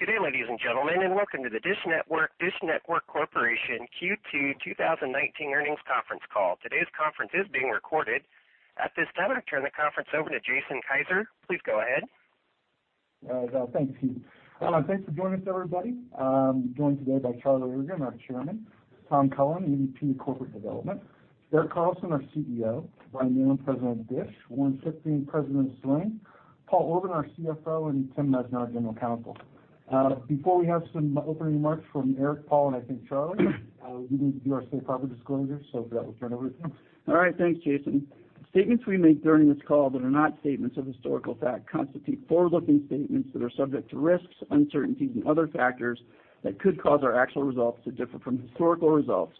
Good day, ladies and gentlemen, and welcome to the DISH Network Corporation Q2 2019 earnings conference call. Today's conference is being recorded. At this time, I turn the conference over to Jason Kiser. Please go ahead. Thank you. Thanks for joining us, everybody. I'm joined today by Charlie Ergen, our Chairman; Tom Cullen, EVP, Corporate Development; Erik Carlson, our CEO; Brian Neylon, President, DISH; Warren Schlichting, President, Sling; Paul Orban, our CFO; and Tim Messner, General Counsel. Before we have some opening remarks from Erik, Paul, and I think Charlie, we need to do our safe harbor disclosure. With that, we'll turn it over to Tim. All right. Thanks, Jason. Statements we make during this call that are not statements of historical fact constitute forward-looking statements that are subject to risks, uncertainties and other factors that could cause our actual results to differ from historical results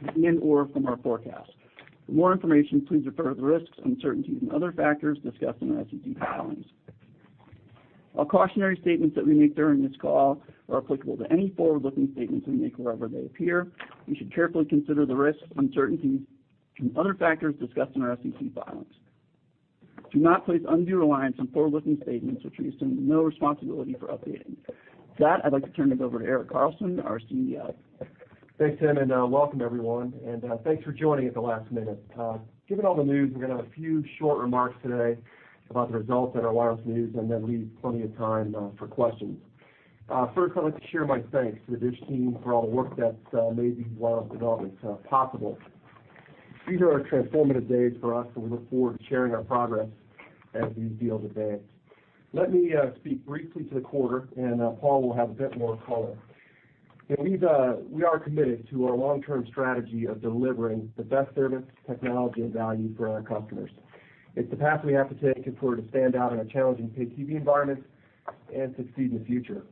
and/or from our forecasts. For more information, please refer to the risks, uncertainties and other factors discussed in our SEC filings. All cautionary statements that we make during this call are applicable to any forward-looking statements we make wherever they appear. You should carefully consider the risks, uncertainties, and other factors discussed in our SEC filings. Do not place undue reliance on forward-looking statements, which we assume no responsibility for updating. With that, I'd like to turn this over to Erik Carlson, our CEO. Thanks, Tim, and welcome everyone. Thanks for joining at the last minute. Given all the news, we're gonna have a few short remarks today about the results and our wireless news and then leave plenty of time for questions. First, I'd like to share my thanks to the DISH team for all the work that's made these wireless developments possible. These are transformative days for us, and we look forward to sharing our progress as these deals advance. Let me speak briefly to the quarter and Paul will have a bit more color. You know, we are committed to our long-term strategy of delivering the best service, technology and value for our customers. It's the path we have to take if we're to stand out in a challenging pay-TV environment and succeed in the future.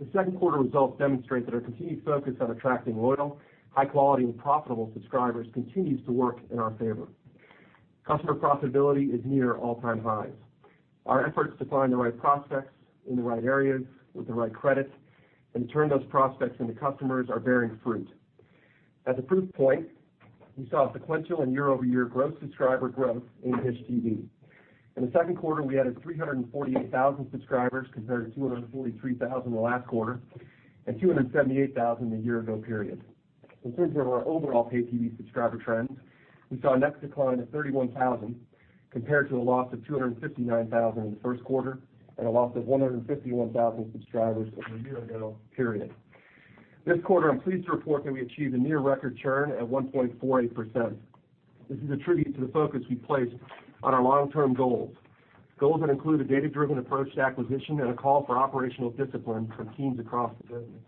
The second quarter results demonstrate that our continued focus on attracting loyal, high quality and profitable subscribers continues to work in our favor. Customer profitability is near all-time highs. Our efforts to find the right prospects in the right areas with the right credit and turn those prospects into customers are bearing fruit. As a proof point, we saw a sequential and year-over-year subscriber growth in DISH TV. In the second quarter, we added 348,000 subscribers compared to 243,000 the last quarter and 278,000 a year-ago period. In terms of our overall pay TV subscriber trends, we saw a net decline of 31,000 compared to a loss of 259,000 in the first quarter and a loss of 151,000 subscribers over a year-ago period. This quarter, I'm pleased to report that we achieved a near record churn at 1.48%. This is a tribute to the focus we've placed on our long-term goals. Goals that include a data-driven approach to acquisition and a call for operational discipline from teams across the business.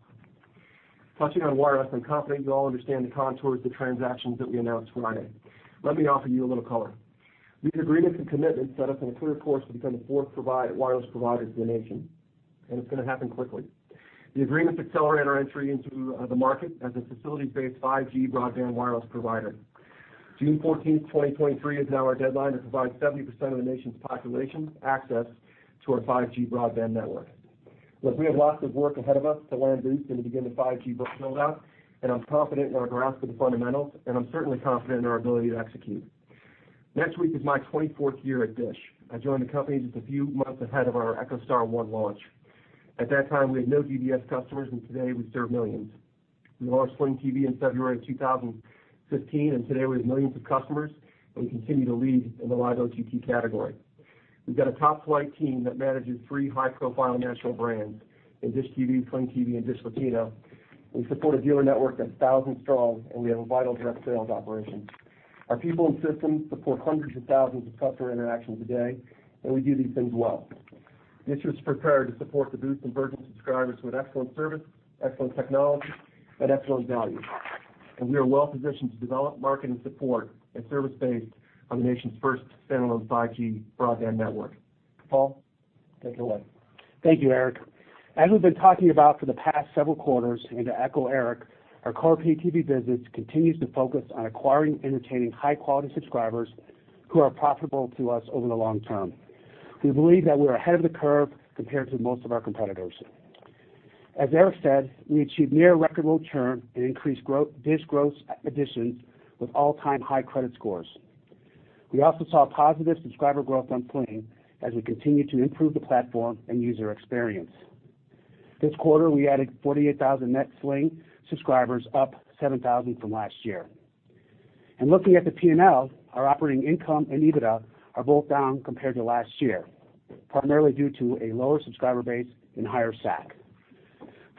Touching on wireless and company, you all understand the contours of the transactions that we announced Friday. Let me offer you a little color. These agreements and commitments set us on a clear course to become the fourth wireless provider in the nation, and it's gonna happen quickly. The agreements accelerate our entry into the market as a facility-based 5G broadband wireless provider. June 14th, 2023 is now our deadline to provide 70% of the nation's population access to our 5G broadband network. Look, we have lots of work ahead of us to land the Boost and to begin the 5G buildout, and I'm confident in our grasp of the fundamentals, and I'm certainly confident in our ability to execute. Next week is my 24th year at DISH. I joined the company just a few months ahead of our EchoStar I launch. At that time, we had no DBS customers, and today we serve millions. We launched Sling TV in February of 2015, and today we have millions of customers, and we continue to lead in the live OTT category. We've got a topflight team that manages three high-profile national brands in DISH TV, Sling TV, and DishLATINO. We support a dealer network that's 1,000s strong, and we have a vital direct sales operation. Our people and systems support hundreds of thousands of customer interactions a day, and we do these things well. DISH is prepared to support the Boost conversion subscribers with excellent service, excellent technology, and excellent value. We are well-positioned to develop market and support and service base on the nation's first standalone 5G broadband network. Paul, take it away. Thank you, Erik. As we've been talking about for the past several quarters and to echo Erik, our core pay TV business continues to focus on acquiring and retaining high-quality subscribers who are profitable to us over the long term. We believe that we're ahead of the curve compared to most of our competitors. As Erik said, we achieved near record low churn and increased DISH gross additions with all-time high credit scores. We also saw positive subscriber growth on Sling as we continue to improve the platform and user experience. This quarter, we added 48,000 net Sling subscribers, up 7,000 from last year. Looking at the P&L, our operating income and EBITDA are both down compared to last year, primarily due to a lower subscriber base and higher SAC.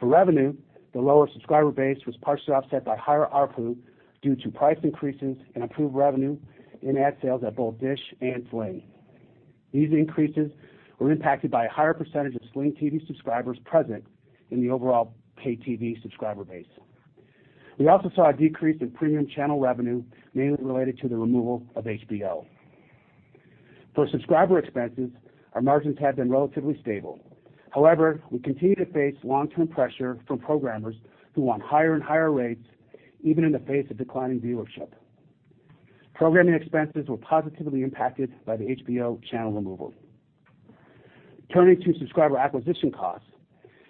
For revenue, the lower subscriber base was partially offset by higher ARPU due to price increases and improved revenue in ad sales at both DISH and Sling. These increases were impacted by a higher percentage of Sling TV subscribers present in the overall pay TV subscriber base. We also saw a decrease in premium channel revenue, mainly related to the removal of HBO. For subscriber expenses, our margins have been relatively stable. We continue to face long-term pressure from programmers who want higher and higher rates, even in the face of declining viewership. Programming expenses were positively impacted by the HBO channel removal. Turning to subscriber acquisition costs,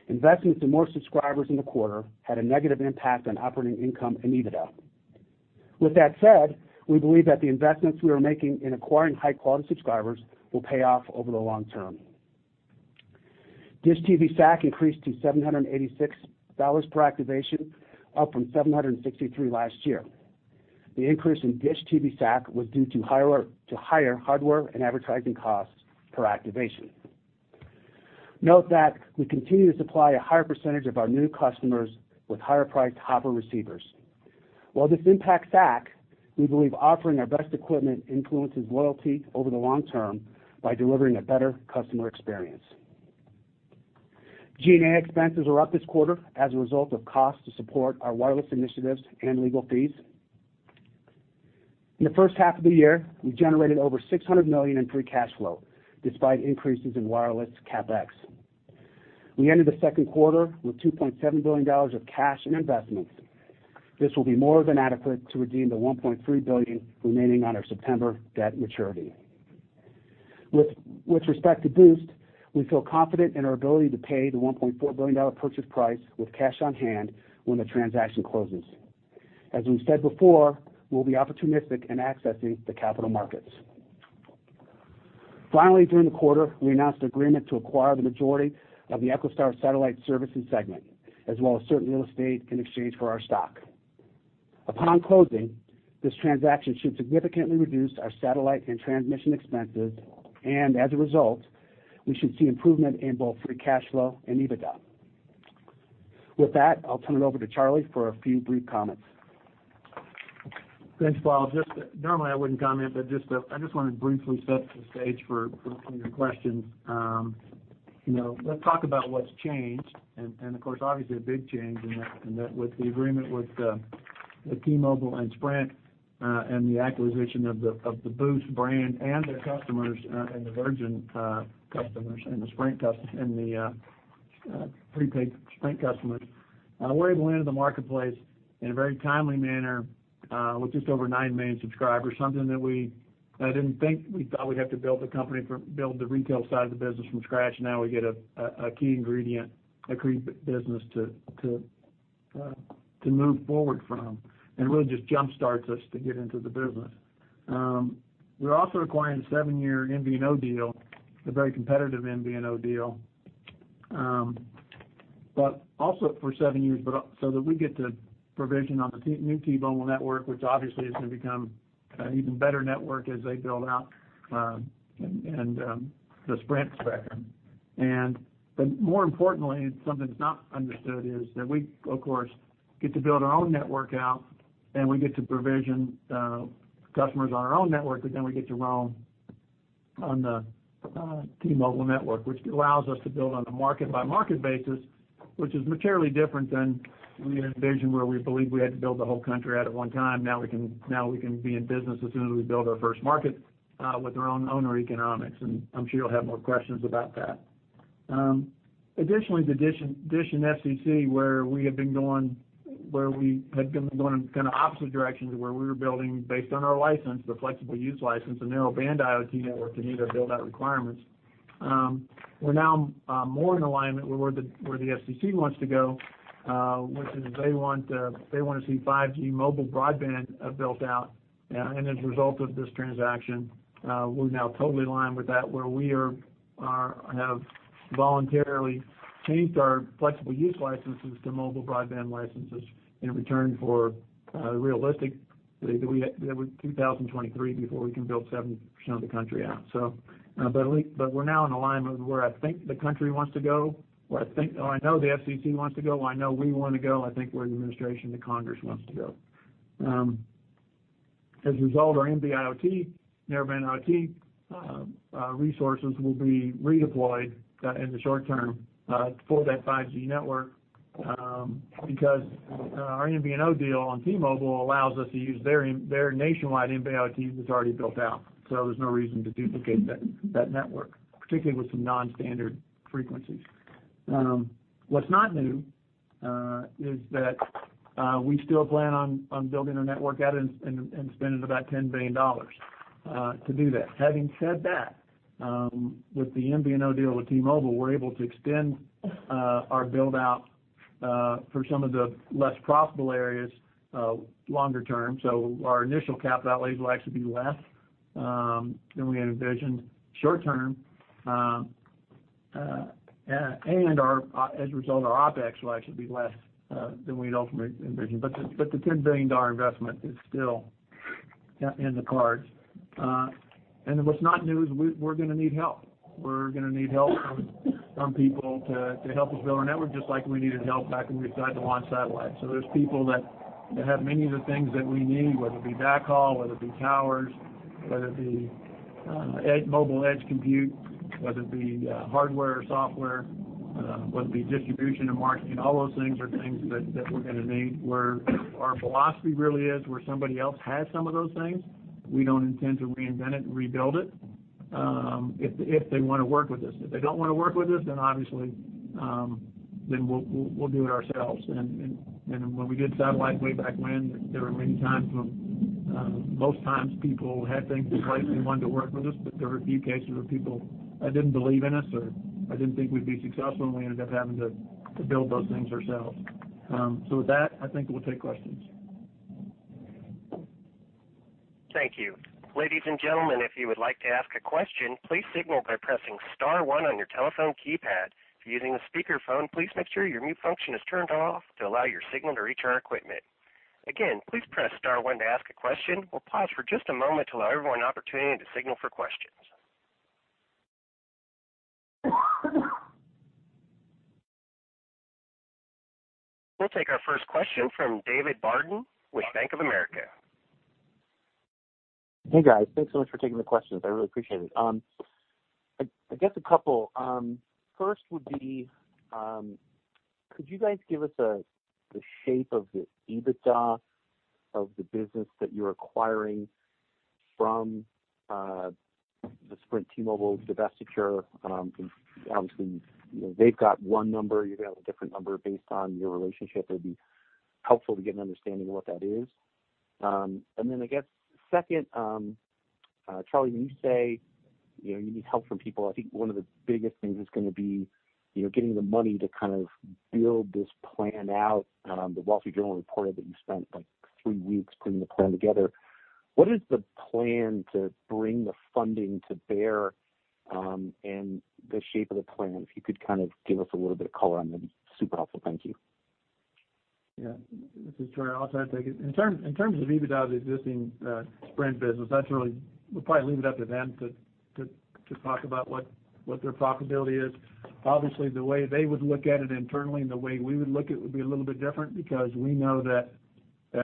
investments to more subscribers in the quarter had a negative impact on operating income and EBITDA. With that said, we believe that the investments we are making in acquiring high-quality subscribers will pay off over the long term. DISH TV SAC increased to $786 per activation, up from $763 last year. The increase in DISH TV SAC was due to higher hardware and advertising costs per activation. Note that we continue to supply a higher percentage of our new customers with higher-priced Hopper receivers. While this impacts SAC, we believe offering our best equipment influences loyalty over the long term by delivering a better customer experience. G&A expenses are up this quarter as a result of costs to support our wireless initiatives and legal fees. In the first half of the year, we generated over $600 million in free cash flow despite increases in wireless CapEx. We ended the second quarter with $2.7 billion of cash and investments. This will be more than adequate to redeem the $1.3 billion remaining on our September debt maturity. With respect to Boost, we feel confident in our ability to pay the $1.4 billion purchase price with cash on hand when the transaction closes. As we've said before, we'll be opportunistic in accessing the capital markets. Finally, during the quarter, we announced an agreement to acquire the majority of the EchoStar satellite servicing segment, as well as certain real estate in exchange for our stock. Upon closing, this transaction should significantly reduce our satellite and transmission expenses, and as a result, we should see improvement in both free cash flow and EBITDA. With that, I'll turn it over to Charlie for a few brief comments. Thanks, Paul. Just normally I wouldn't comment, but I just want to briefly set the stage for some of your questions. You know, let's talk about what's changed and of course, obviously a big change in that with the agreement with T-Mobile and Sprint and the acquisition of the Boost Mobile brand and their customers and the Virgin Mobile customers and the prepaid Sprint customers. We're able to enter the marketplace in a very timely manner with just over 9 million subscribers. We thought we'd have to build the company from build the retail side of the business from scratch, now we get a key ingredient, agreed business to move forward from and really just jumpstarts us to get into the business. We're also acquiring a seven-year MVNO deal, a very competitive MVNO deal, also for seven years, so that we get the provision on the new T-Mobile network, which obviously is gonna become an even better network as they build out, and the Sprint spectrum. But more importantly, something that's not understood is that we of course, get to build our own network out, and we get to provision customers on our own network, but then we get to roam on the T-Mobile network, which allows us to build on a market-by-market basis, which is materially different than we had envisioned where we believed we had to build the whole country out at one time. Now we can be in business as soon as we build our first market with our own owner economics, and I'm sure you'll have more questions about that. Additionally, the DISH and FCC, where we have been going, where we had been going kind of opposite directions where we were building based on our license, the flexible use license, a Narrowband IoT network to meet our build-out requirements. We're now more in alignment with where the FCC wants to go, which is they wanna see 5G mobile broadband built out. As a result of this transaction, we're now totally aligned with that, where we have voluntarily changed our flexible use licenses to mobile broadband licenses in return for a realistic 2023 before we can build 70% of the country out. We're now in alignment with where I think the country wants to go, where I think or I know the FCC wants to go, I know we wanna go. I think where the administration, the Congress wants to go. As a result, our NB-IoT, Narrowband IoT, resources will be redeployed in the short term for that 5G network because our MVNO deal on T-Mobile allows us to use their nationwide NB-IoT that's already built out. There's no reason to duplicate that network, particularly with some non-standard frequencies. What's not new is that we still plan on building a network out and spending about $10 billion to do that. Having said that, with the MVNO deal with T-Mobile, we're able to extend our build-out for some of the less profitable areas longer term. Our initial capital outlay will actually be less than we had envisioned short term. Our, as a result, our OpEx will actually be less than we'd ultimately envisioned. The $10 billion investment is still in the cards. What's not new is we're gonna need help. We're gonna need help from people to help us build our network, just like we needed help back when we decided to launch satellites. There's people that have many of the things that we need, whether it be backhaul, whether it be towers, whether it be mobile edge computing, whether it be hardware or software, whether it be distribution or marketing. All those things are things that we're gonna need. Where our philosophy really is, where somebody else has some of those things, we don't intend to reinvent it and rebuild it, if they wanna work with us. If they don't wanna work with us, then obviously, then we'll do it ourselves. When we did satellite way back when, there were many times where most times people had things in place and wanted to work with us, but there were a few cases where people didn't believe in us or they didn't think we'd be successful, and we ended up having to build those things ourselves. With that, I think we'll take questions. Thank you. Ladies and gentlemen, if you would like to ask a question, please signal by pressing star one on your telephone keypad. If you're using a speaker phone, please make sure your mute function is turned off to allow your signal to reach our equipment. Again, please press star one to ask a question. We'll pause for just a moment to allow everyone an opportunity to signal for questions. We'll take our first question from David Barden with Bank of America. Hey, guys. Thanks so much for taking the questions. I really appreciate it. I guess a couple. First would be, could you guys give us the shape of the EBITDA of the business that you're acquiring from the Sprint T-Mobile divestiture? Obviously, you know, they've got one number, you're gonna have a different number based on your relationship. It'd be helpful to get an understanding of what that is. Then I guess second, Charlie, when you say, you know, you need help from people, I think one of the biggest things is gonna be, you know, getting the money to kind of build this plan out. The Wall Street Journal reported that you spent like three weeks putting the plan together. What is the plan to bring the funding to bear, and the shape of the plan? If you could kind of give us a little bit of color on that, it'd be super helpful. Thank you. This is Charlie. I'll try to take it. In terms of EBITDA of the existing Sprint business, we'll probably leave it up to them to talk about what their profitability is. Obviously, the way they would look at it internally and the way we would look at it would be a little bit different because we know that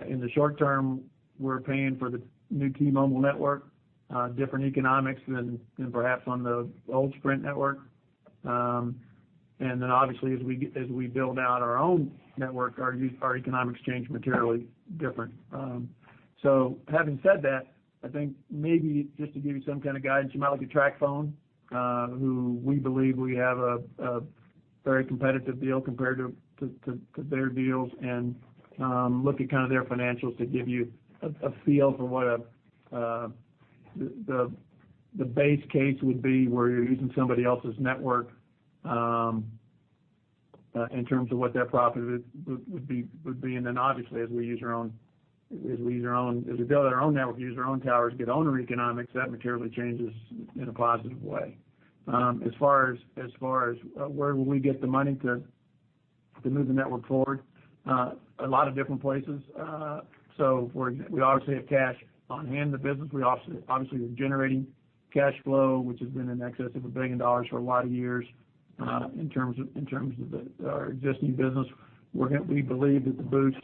in the short term, we're paying for the new T-Mobile network, different economics than perhaps on the old Sprint network. Then obviously as we build out our own network, our economics change materially different. Having said that, I think maybe just to give you some kind of guidance, you might look at TracFone, who we believe we have a very competitive deal compared to their deals and look at kind of their financials to give you a feel for what the base case would be where you're using somebody else's network in terms of what their profit would be. Obviously, as we build our own network, use our own towers, get owner economics, that materially changes in a positive way. As far as where will we get the money to move the network forward? A lot of different places. We obviously have cash on hand in the business. We obviously are generating cash flow, which has been in excess of $1 billion for a lot of years, in terms of our existing business. We believe that the Boost,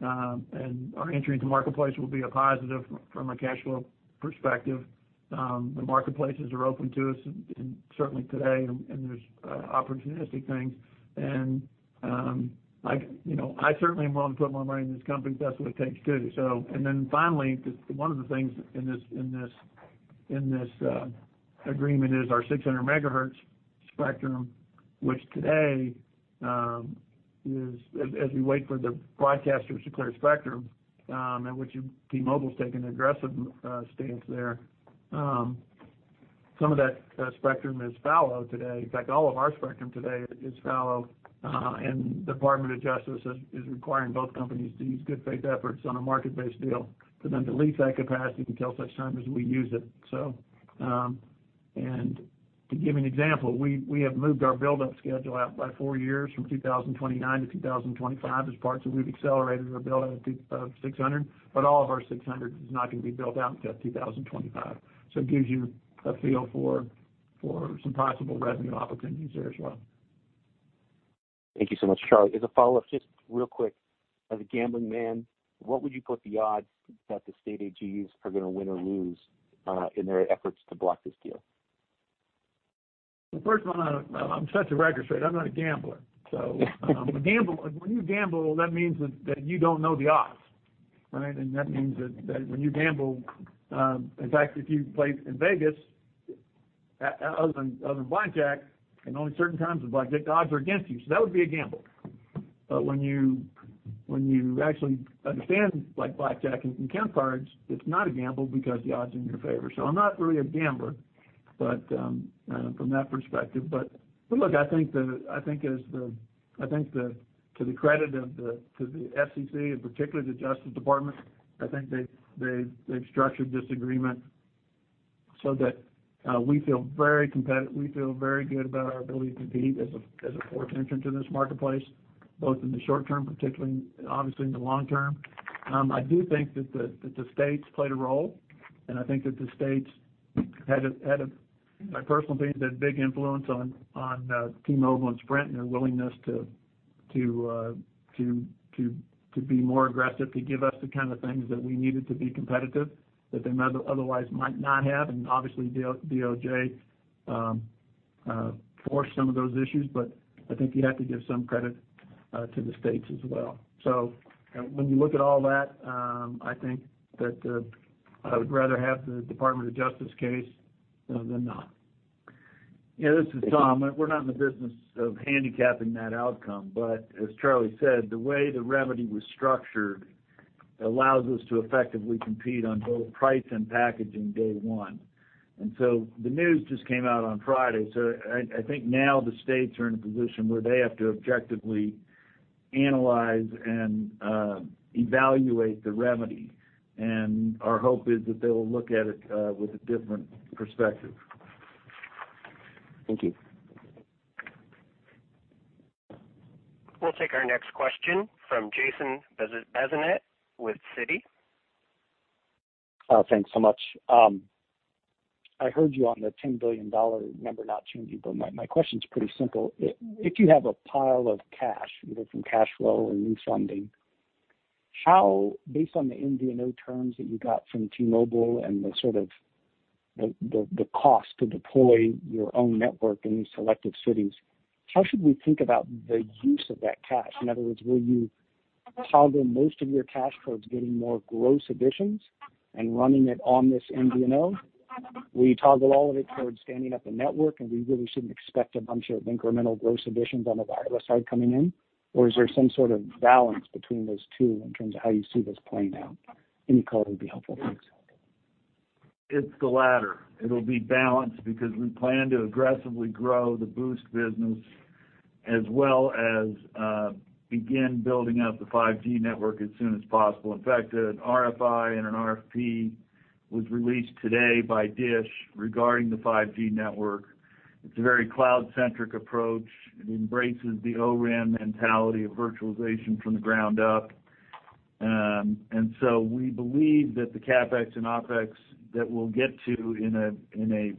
and our entry into the marketplace will be a positive from a cash flow perspective. The marketplaces are open to us and certainly today and there's opportunistic things. Like, you know, I certainly am willing to put more money in this company if that's what it takes too. Finally, one of the things in this agreement is our 600 MHz spectrum, which today is as we wait for the broadcasters to clear spectrum, and which T-Mobile's taken an aggressive stance there. Some of that spectrum is fallow today. In fact, all of our spectrum today is fallow. Department of Justice is requiring both companies to use good faith efforts on a market-based deal for them to lease that capacity until such time as we use it. To give you an example, we have moved our build-up schedule out by four years from 2029-2025 as parts that we've accelerated our build out of 600, but all of our 600 is not gonna be built out until 2025. It gives you a feel for some possible revenue opportunities there as well. Thank you so much, Charlie. As a follow-up, just real quick, as a gambling man, what would you put the odds that the state AGs are gonna win or lose in their efforts to block this deal? First of all, I'm set the record straight. I'm not a gambler. When you gamble, that means that you don't know the odds, right? That means that when you gamble, in fact, if you play in Vegas, other than blackjack and only certain times with blackjack, the odds are against you. That would be a gamble. When you actually understand like blackjack and can count cards, it's not a gamble because the odds are in your favor. I'm not really a gambler, but from that perspective. Look, to the FCC, in particular the Justice Department, I think they've structured this agreement so that we feel very competitive. We feel very good about our ability to compete as a fourth entrant in this marketplace, both in the short term, particularly obviously in the long term. I do think that the states played a role, and I think that the states had a, my personal opinion, had a big influence on T-Mobile and Sprint and their willingness to be more aggressive, to give us the kind of things that we needed to be competitive that they otherwise might not have. Obviously, DOJ forced some of those issues. I think you have to give some credit to the states as well. When you look at all that, I think that I would rather have the Department of Justice case than not. This is Tom. We're not in the business of handicapping that outcome. As Charlie said, the way the remedy was structured allows us to effectively compete on both price and packaging day one. The news just came out on Friday, so I think now the states are in a position where they have to objectively analyze and evaluate the remedy. Our hope is that they will look at it with a different perspective. Thank you. We'll take our next question from Jason Bazinet with Citi. Thanks so much. I heard you on the $10 billion number not changing, my question's pretty simple. If you have a pile of cash, either from cash flow or new funding, how, based on the MVNO terms that you got from T-Mobile and the sort of the cost to deploy your own network in these selected cities, how should we think about the use of that cash? In other words, will you toggle most of your cash towards getting more gross additions and running it on this MVNO? Will you toggle all of it towards standing up a network, we really shouldn't expect a bunch of incremental gross additions on the wireless side coming in? Is there some sort of balance between those two in terms of how you see this playing out? Any color would be helpful. Thanks. It's the latter. It'll be balanced because we plan to aggressively grow the Boost business as well as begin building out the 5G network as soon as possible. In fact, an RFI and an RFP was released today by DISH regarding the 5G network. It's a very cloud-centric approach. It embraces the O-RAN mentality of virtualization from the ground up. We believe that the CapEx and OpEx that we'll get to in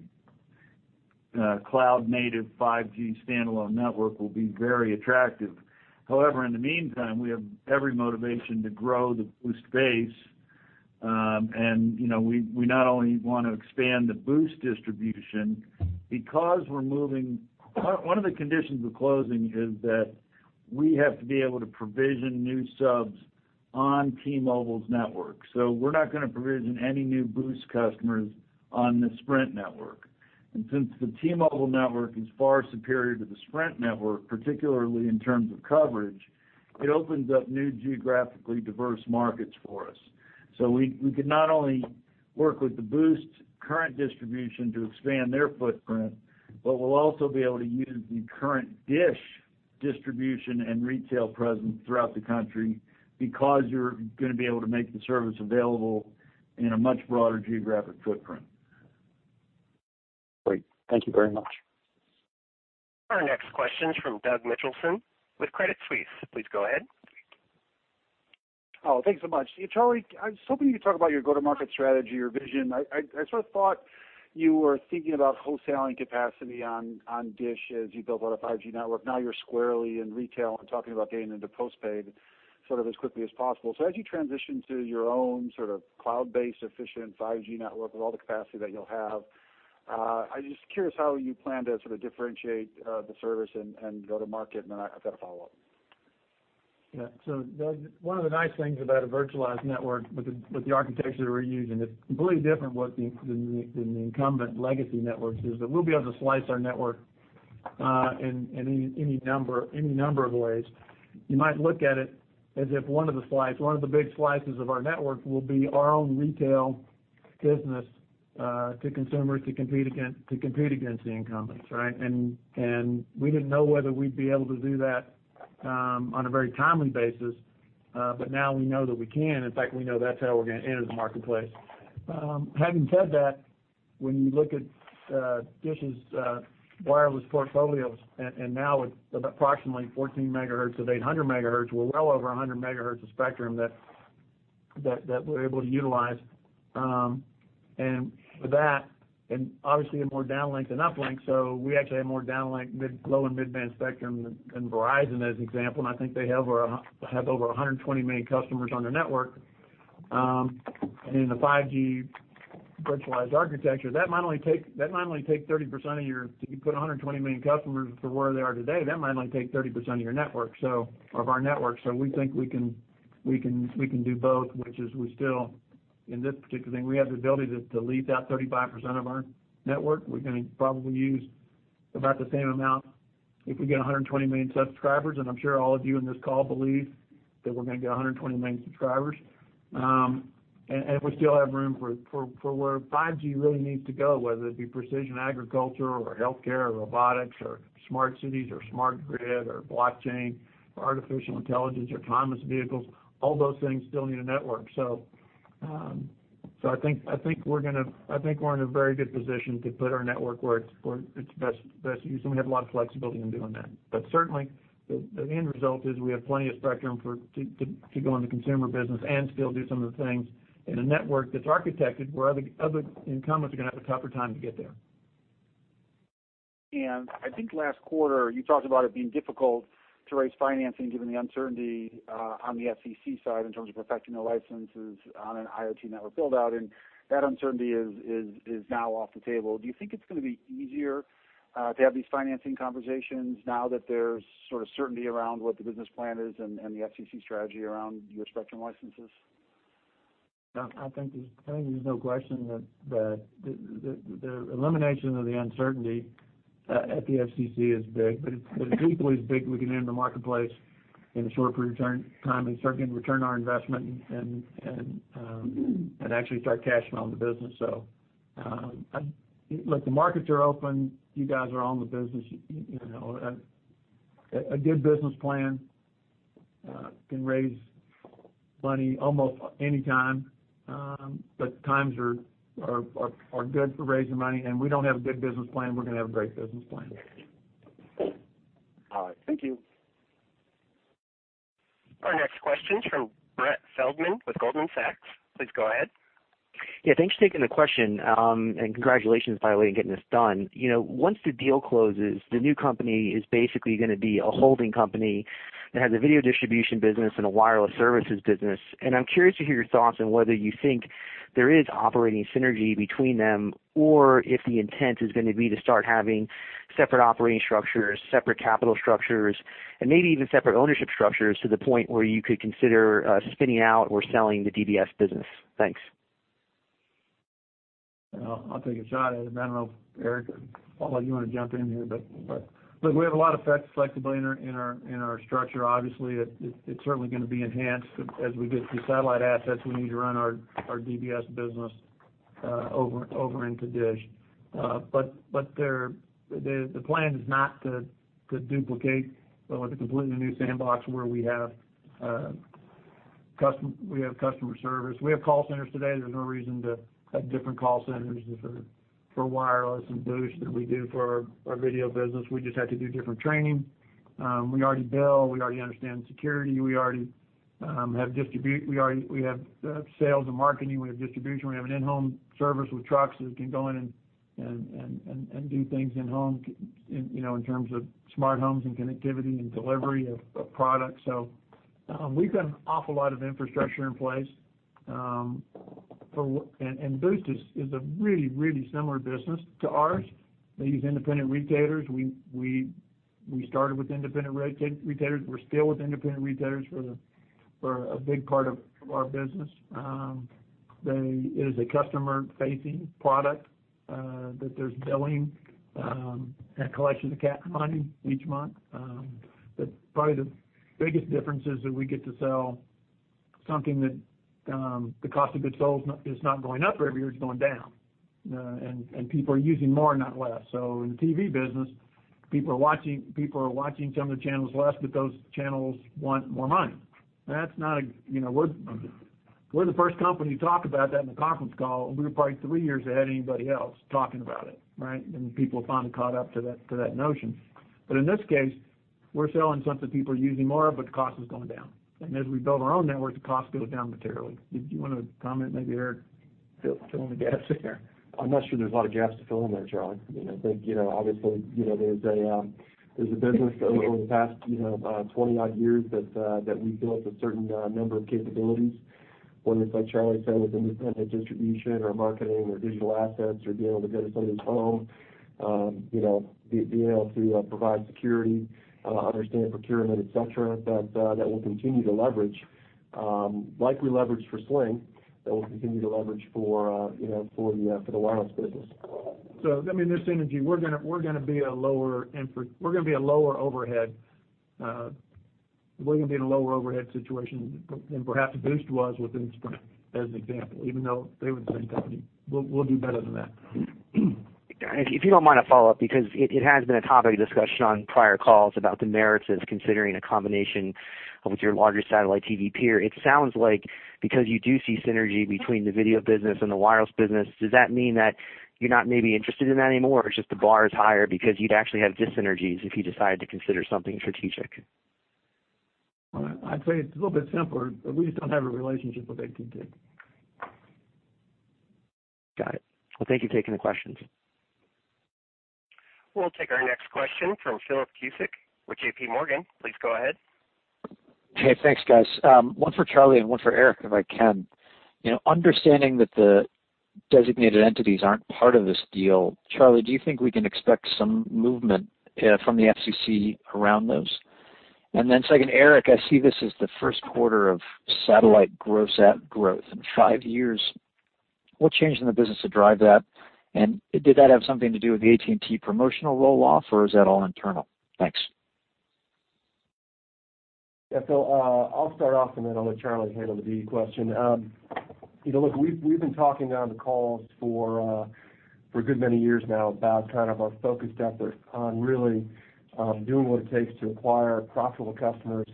a cloud-native 5G standalone network will be very attractive. However, in the meantime, we have every motivation to grow the Boost base. You know, we not only want to expand the Boost distribution because one of the conditions of closing is that we have to be able to provision new subs on T-Mobile's network. We're not going to provision any new Boost customers on the Sprint network. Since the T-Mobile network is far superior to the Sprint network, particularly in terms of coverage, it opens up new geographically diverse markets for us. We could not only work with the Boost current distribution to expand their footprint, but we'll also be able to use the current DISH distribution and retail presence throughout the country because you're going to be able to make the service available in a much broader geographic footprint. Great. Thank you very much. Our next question's from Doug Mitchelson with Credit Suisse. Please go ahead. Oh, thanks so much. Charlie, I was hoping you could talk about your go-to-market strategy or vision. I sort of thought you were thinking about wholesaling capacity on DISH as you built out a 5G network. You're squarely in retail and talking about getting into postpaid sort of as quickly as possible. As you transition to your own sort of cloud-based efficient 5G network with all the capacity that you'll have, I'm just curious how you plan to sort of differentiate the service and go to market. I've got a follow-up. Yeah. Doug, one of the nice things about a virtualized network with the architecture we're using, it's completely different than what the incumbent legacy networks is that we'll be able to slice our network in any number of ways. You might look at it as if one of the big slices of our network will be our own retail business to consumers to compete against the incumbents, right? We didn't know whether we'd be able to do that on a very timely basis, now we know that we can. In fact, we know that's how we're gonna enter the marketplace. Having said that, when you look at DISH's wireless portfolios, now with approximately 14 MHz of 800 MHz, we're well over 100 MHz of spectrum that we're able to utilize. With that, and obviously a more downlink than uplink, we actually have more downlink low and mid-band spectrum than Verizon, as an example, and I think they have over 120 million customers on their network. In the 5G virtualized architecture, that might only take 30% of your network if you put 120 million customers for where they are today, that might only take 30% of our network. We think we can do both, which is we still, in this particular thing, we have the ability to lease out 35% of our network. We're gonna probably use about the same amount if we get 120 million subscribers, and I'm sure all of you in this call believe that we're gonna get 120 million subscribers. We still have room for where 5G really needs to go, whether it be precision agriculture or healthcare or robotics or smart cities or smart grid or blockchain or artificial intelligence or autonomous vehicles. All those things still need a network. I think we're in a very good position to put our network where it's best used, and we have a lot of flexibility in doing that. Certainly, the end result is we have plenty of spectrum to go in the consumer business and still do some of the things in a network that's architected where other incumbents are gonna have a tougher time to get there. I think last quarter, you talked about it being difficult to raise financing given the uncertainty on the FCC side in terms of perfecting the licenses on an IoT network build-out, and that uncertainty is now off the table. Do you think it's gonna be easier to have these financing conversations now that there's sort of certainty around what the business plan is and the FCC strategy around your spectrum licenses? No, I think there's no question that the elimination of the uncertainty at the FCC is big, but it's equally as big we can enter the marketplace in the short return time and start getting return our investment and actually start cashing on the business. Look, the markets are open. You guys are on the business, you know. A good business plan can raise money almost anytime. Times are good for raising money, and we don't have a good business plan, we're gonna have a great business plan. All right. Thank you. Our next question from Brett Feldman with Goldman Sachs. Please go ahead. Yeah, thanks for taking the question. Congratulations, by the way, in getting this done. You know, once the deal closes, the new company is basically gonna be a holding company that has a video distribution business and a wireless services business. I'm curious to hear your thoughts on whether you think there is operating synergy between them or if the intent is gonna be to start having separate operating structures, separate capital structures, and maybe even separate ownership structures to the point where you could consider spinning out or selling the DBS business. Thanks. I'll take a shot at it. I don't know if Erik Carlson, I'll let you wanna jump in here, but look, we have a lot of flexibility in our structure. Obviously, it's certainly gonna be enhanced as we get the satellite assets we need to run our DBS business over into DISH. The plan is not to duplicate or with a completely new sandbox where we have customer service. We have call centers today. There's no reason to have different call centers just for wireless and Boost than we do for our video business. We just have to do different training. We already bill, we already understand security, we already have sales and marketing, we have distribution, we have an in-home service with trucks that can go in and do things in home, you know, in terms of smart homes and connectivity and delivery of products. We've got an awful lot of infrastructure in place. Boost is a really similar business to ours. They use independent retailers. We started with independent retailers. We're still with independent retailers for a big part of our business. It is a customer-facing product that there's billing and collection of money each month. Probably the biggest difference is that we get to sell something that the cost of goods sold is not going up every year, it's going down, and people are using more, not less. In the TV business, people are watching some of the channels less, those channels want more money. That's not a, you know, we're the first company to talk about that in the conference call. We were probably three years ahead of anybody else talking about it, right? People finally caught up to that notion. In this case, we're selling something people are using more, the cost is going down. As we build our own network, the cost goes down materially. Did you want to comment maybe, Erik? Fill in the gaps there. I'm not sure there's a lot of gaps to fill in there, Charlie. You know, I think, you know, obviously, you know, there's a business over the past, you know, 20-odd years that we built a certain number of capabilities, whether it's, like Charlie said, with independent distribution or marketing or digital assets or being able to go to somebody's home, you know, being able to provide security, understand procurement, et cetera, that we'll continue to leverage, like we leveraged for Sling, that we'll continue to leverage for, you know, for the wireless business. I mean, there's synergy. We're gonna be a lower overhead, we're gonna be in a lower overhead situation than perhaps Boost was within Sprint, as an example, even though they were the same company. We'll do better than that. If you don't mind a follow-up, because it has been a topic of discussion on prior calls about the merits as considering a combination with your larger satellite TV peer. It sounds like because you do see synergy between the video business and the wireless business, does that mean that you're not maybe interested in that anymore? Just the bar is higher because you'd actually have dis-synergies if you decide to consider something strategic? I'd say it's a little bit simpler, but we just don't have a relationship with AT&T. Got it. Well, thank you for taking the questions. We'll take our next question from Philip Cusick with JPMorgan. Please go ahead. Hey, thanks, guys. One for Charlie and one for Erik, if I can. You know, understanding that the Designated Entities aren't part of this deal, Charlie, do you think we can expect some movement from the FCC around those? Second, Erik, I see this as the first quarter of satellite gross add growth in five years. What changed in the business to drive that? Did that have something to do with the AT&T promotional roll-off, or is that all internal? Thanks. I'll start off, and then I'll let Charlie handle the DE question. You know, look, we've been talking now on the calls for a good many years now about kind of our focused effort on really doing what it takes to acquire profitable customers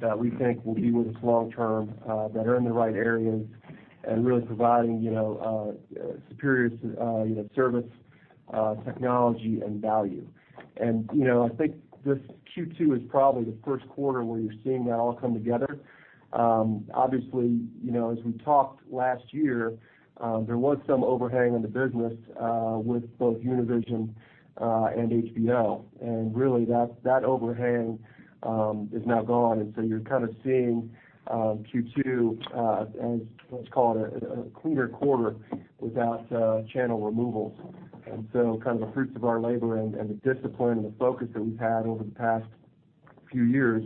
that we think will be with us long term, that are in the right areas and really providing, you know, superior, you know, service, technology and value. I think this Q2 is probably the first quarter where you're seeing that all come together. Obviously, you know, as we talked last year, there was some overhang in the business with both Univision and HBO, that overhang is now gone. You're kind of seeing Q2 as what's called a cleaner quarter without channel removals. Kind of the fruits of our labor and the discipline and the focus that we've had over the past few years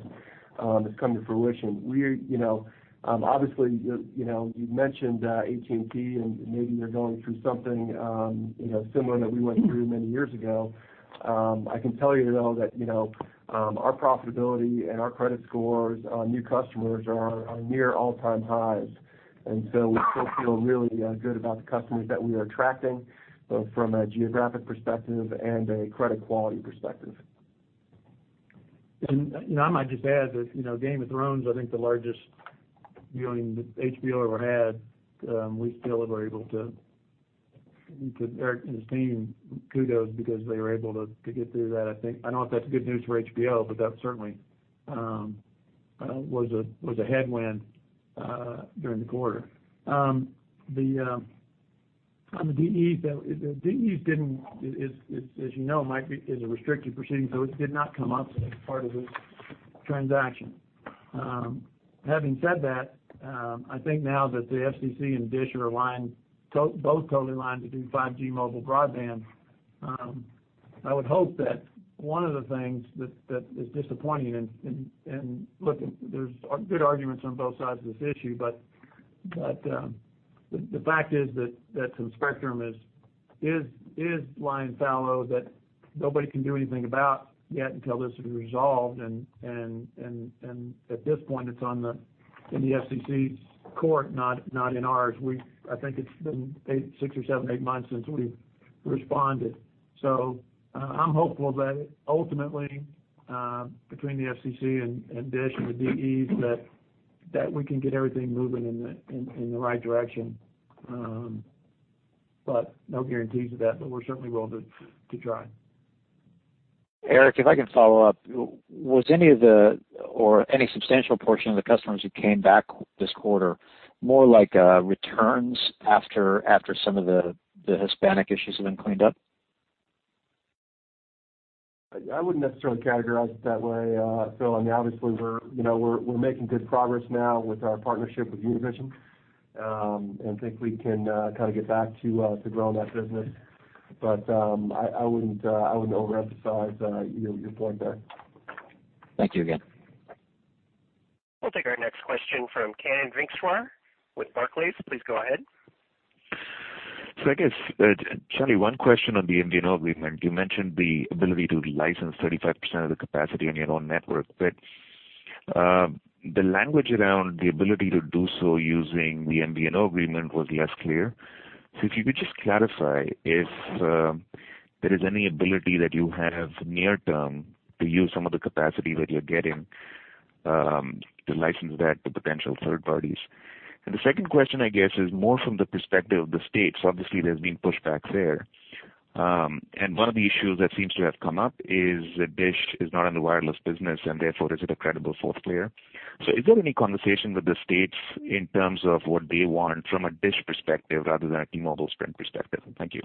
has come to fruition. We're, you know, obviously, you know, you mentioned AT&T, and maybe they're going through something, you know, similar that we went through many years ago. I can tell you though that, you know, our profitability and our credit scores on new customers are near all-time highs. We still feel really good about the customers that we are attracting, both from a geographic perspective and a credit quality perspective. You know, I might just add that, you know, Game of Thrones, I think the largest viewing that HBO ever had, we still were able to Erik and his team, kudos because they were able to get through that, I think. I don't know if that's good news for HBO, but that certainly was a, was a headwind during the quarter. On the DEs, the DEs didn't, as you know, Mike, is a restrictive proceeding, so it did not come up as part of this transaction. Having said that, I think now that the FCC and DISH are aligned, both totally aligned to do 5G mobile broadband, I would hope that one of the things that is disappointing and look, there's good arguments on both sides of this issue, but the fact is that some spectrum is lying fallow that nobody can do anything about yet until this is resolved. At this point, it's in the FCC's court, not in ours. I think it's been six or seven, eight months since we've responded. I'm hopeful that ultimately, between the FCC and DISH and the DEs, we can get everything moving in the right direction. No guarantees of that, but we're certainly willing to try. Erik, if I can follow up. Was any of the or any substantial portion of the customers who came back this quarter more like returns after some of the Hispanic issues have been cleaned up? I wouldn't necessarily categorize it that way, Phil. I mean, obviously we're, you know, we're making good progress now with our partnership with Univision, and think we can kind of get back to growing that business. I wouldn't, I wouldn't overemphasize your point there. Thank you again. We'll take our next question from Kannan Venkateshwar with Barclays. Please go ahead. I guess, Charlie, one question on the MVNO agreement. You mentioned the ability to license 35% of the capacity on your own network. The language around the ability to do so using the MVNO agreement was less clear. If you could just clarify if there is any ability that you have near term to use some of the capacity that you're getting to license that to potential third parties. The second question, I guess, is more from the perspective of the states. Obviously, there's been pushbacks there. One of the issues that seems to have come up is that DISH is not in the wireless business and therefore is it a credible fourth player. Is there any conversation with the states in terms of what they want from a DISH perspective rather than a T-Mobile Sprint perspective? Thank you.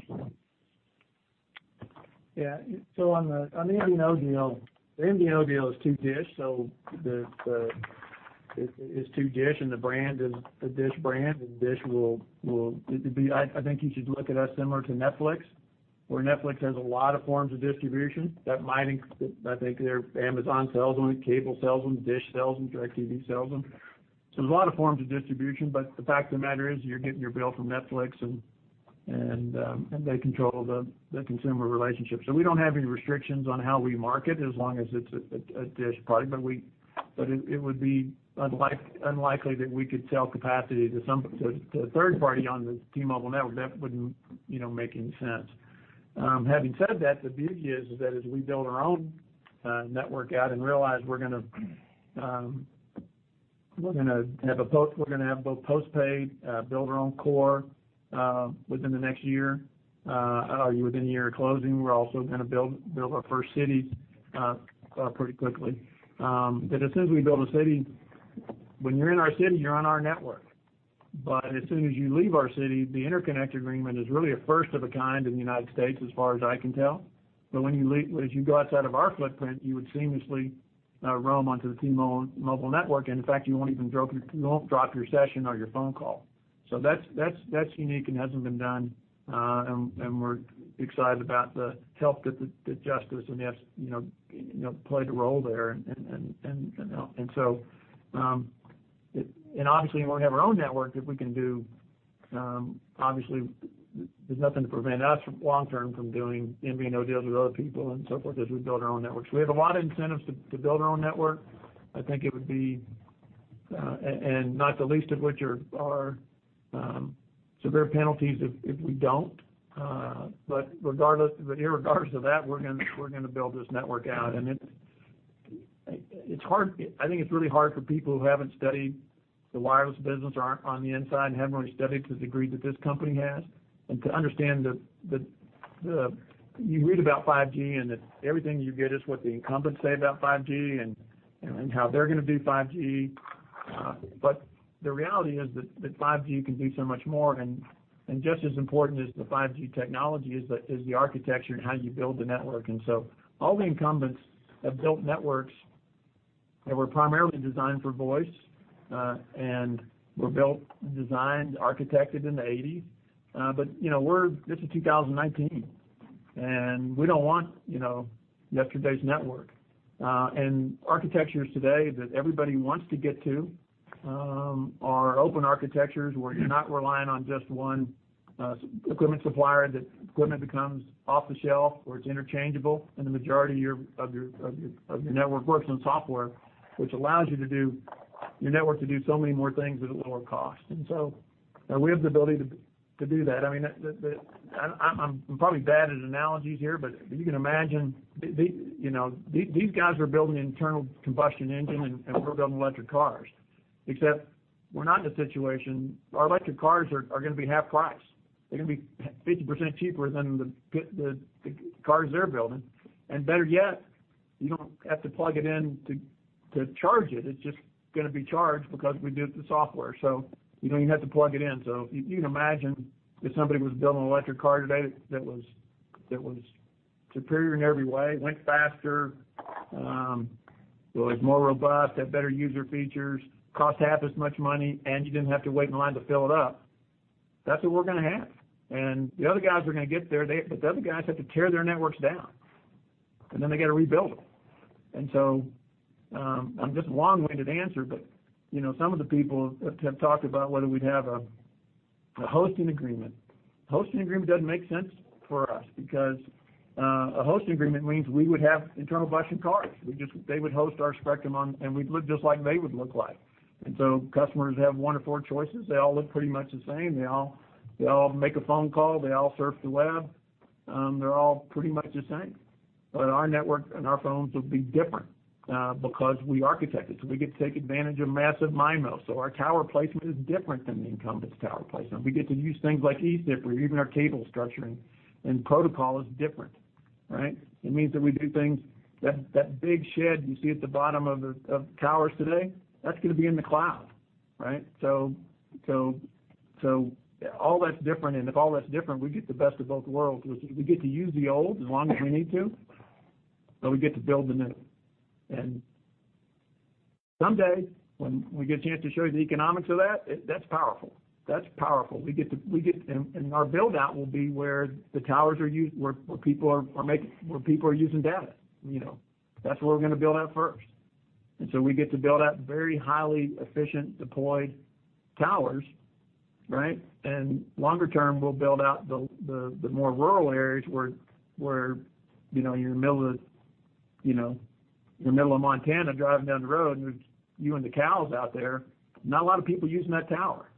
Yeah. On the MVNO deal, the MVNO deal is to DISH. The MVNO deal is to DISH and the brand is a DISH brand, and DISH will, I think you should look at us similar to Netflix, where Netflix has a lot of forms of distribution. That might, I think Amazon sells them, cable sells them, DISH sells them, DirecTV sells them. There's a lot of forms of distribution, but the fact of the matter is you're getting your bill from Netflix and they control the consumer relationship. We don't have any restrictions on how we market as long as it's a DISH product. It would be unlikely that we could sell capacity to a third party on the T-Mobile network. That wouldn't, you know, make any sense. Having said that, the beauty is that as we build our own network out and realize we're gonna have both postpaid, build our own core within the next year or within a year of closing. We're also gonna build our first city pretty quickly. As soon as we build a city, when you're in our city, you're on our network. As soon as you leave our city, the interconnect agreement is really a first of a kind in the U.S. as far as I can tell. When you leave as you go outside of our footprint, you would seamlessly roam onto the T-Mobile network. In fact, you won't even drop your session or your phone call. That's unique and hasn't been done. We're excited about the help that Justice and the F-- you know, played a role there and, you know. Obviously, when we have our own network that we can do, obviously there's nothing to prevent us from long term from doing MVNO deals with other people and so forth as we build our own network. We have a lot of incentives to build our own network. I think it would be, not the least of which are severe penalties if we don't. Irregardless of that, we're gonna build this network out. I think it's really hard for people who haven't studied the wireless business or aren't on the inside and haven't really studied to the degree that this company has, to understand the, you read about 5G and that everything you get is what the incumbents say about 5G and, you know, and how they're gonna do 5G. The reality is that 5G can do so much more. Just as important as the 5G technology is the architecture and how you build the network. All the incumbents have built networks that were primarily designed for voice and were built and designed, architected in the eighties. You know, this is 2019. And we don't want, you know, yesterday's network. Architectures today that everybody wants to get to are open architectures where you're not relying on just one equipment supplier, that equipment becomes off the shelf, or it's interchangeable, and the majority of your network works on software, which allows your network to do so many more things at a lower cost. So we have the ability to do that. I mean, I'm probably bad at analogies here, but if you can imagine, you know, these guys are building internal combustion engine, and we're building electric cars. Except we're not in a situation. Our electric cars are gonna be half-price. They're gonna be 50% cheaper than the cars they're building. Better yet, you don't have to plug it in to charge it. It's just gonna be charged because we did the software, so you don't even have to plug it in. If you can imagine if somebody was building an electric car today that was superior in every way, went faster, was more robust, had better user features, cost half as much money, and you didn't have to wait in line to fill it up, that's what we're gonna have. The other guys are gonna get there. The other guys have to tear their networks down, they gotta rebuild them. On this long-winded answer, you know, some of the people have talked about whether we'd have a hosting agreement. Hosting agreement doesn't make sense for us because a hosting agreement means we would have internal combustion cars. They would host our spectrum on, we'd look just like they would look like. Customers have one of four choices. They all look pretty much the same. They all make a phone call. They all surf the web. They're all pretty much the same. Our network and our phones will be different because we architect it. We get to take advantage of Massive MIMO. Our tower placement is different than the incumbent's tower placement. We get to use things like eCPRI or even our cable structuring, protocol is different, right? It means that we do things that big shed you see at the bottom of towers today, that's gonna be in the cloud, right? So all that's different, if all that's different, we get the best of both worlds because we get to use the old as long as we need to, but we get to build the new. Someday, when we get a chance to show you the economics of that's powerful. That's powerful. We get, and our build-out will be where the towers are used, where people are using data, you know. That's where we're going to build out first. So we get to build out very highly efficient deployed towers, right? Longer term, we'll build out the more rural areas where, you know, you're in the middle of Montana, driving down the road, and there's you and the cows out there. Not a lot of people using that tower.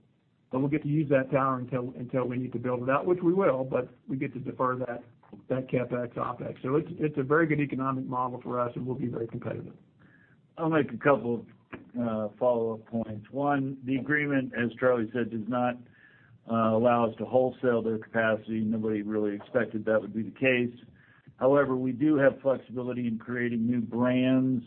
We'll get to use that tower until we need to build it out, which we will, but we get to defer that CapEx, OpEx. It's a very good economic model for us, and we'll be very competitive. I'll make a couple of follow-up points. One, the agreement, as Charlie said, does not allow us to wholesale their capacity. Nobody really expected that would be the case. However, we do have flexibility in creating new brands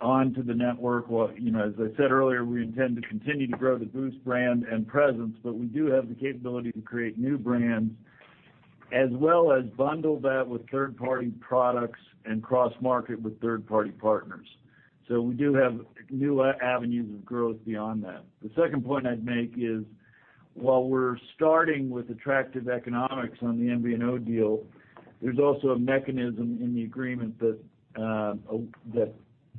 onto the network. You know, as I said earlier, we intend to continue to grow the Boost Mobile brand and presence, but we do have the capability to create new brands, as well as bundle that with third-party products and cross-market with third-party partners. We do have new avenues of growth beyond that. The second point I'd make is, while we're starting with attractive economics on the MVNO deal, there's also a mechanism in the agreement that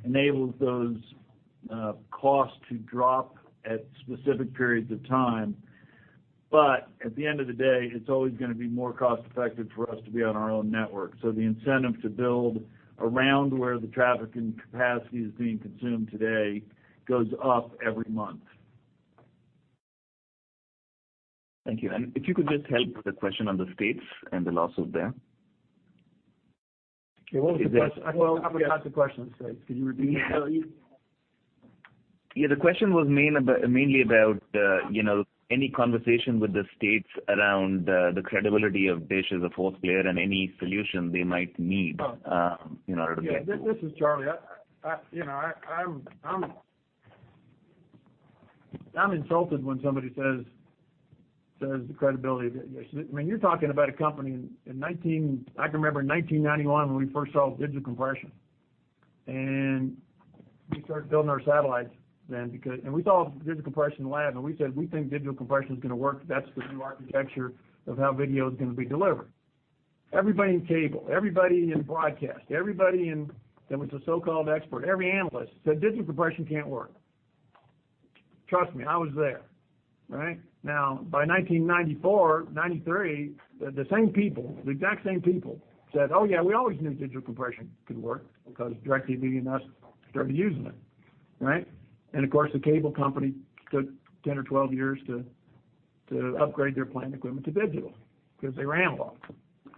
enables those costs to drop at specific periods of time. At the end of the day, it's always gonna be more cost-effective for us to be on our own network. The incentive to build around where the traffic and capacity is being consumed today goes up every month. Thank you. If you could just help with the question on the U.S. states and the lawsuits there. Okay, what was the question? Well- I forgot the question. Could you repeat it? Yeah, the question was mainly about, you know, any conversation with the states around the credibility of DISH as a fourth player and any solution they might need. Oh In order to get. Yeah, this is Charlie. You know, I'm insulted when somebody says the credibility of DISH. I mean, you're talking about a company in 1991 when we first saw digital compression. We started building our satellites then because we saw digital compression lab, and we said, "We think digital compression is gonna work. That's the new architecture of how video is gonna be delivered." Everybody in cable, everybody in broadcast, everybody that was a so-called expert, every analyst said digital compression can't work. Trust me, I was there, right? Now, by 1994, 1993, the same people, the exact same people said, "Oh yeah, we always knew digital compression could work because DirecTV and us started using it," right? Of course, the cable company took 10 or 12 years to upgrade their plant equipment to digital because they ran along.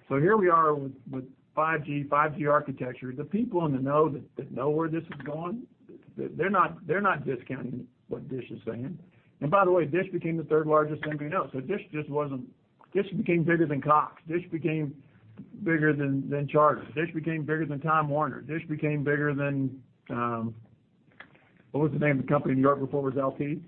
Here we are with 5G architecture. The people in the know that know where this is going, they're not discounting what Dish is saying. By the way, Dish became the third largest MVNO. Dish became bigger than Cox. Dish became bigger than Charter. Dish became bigger than Time Warner. Dish became bigger than what was the name of the company in New York before it was Altice?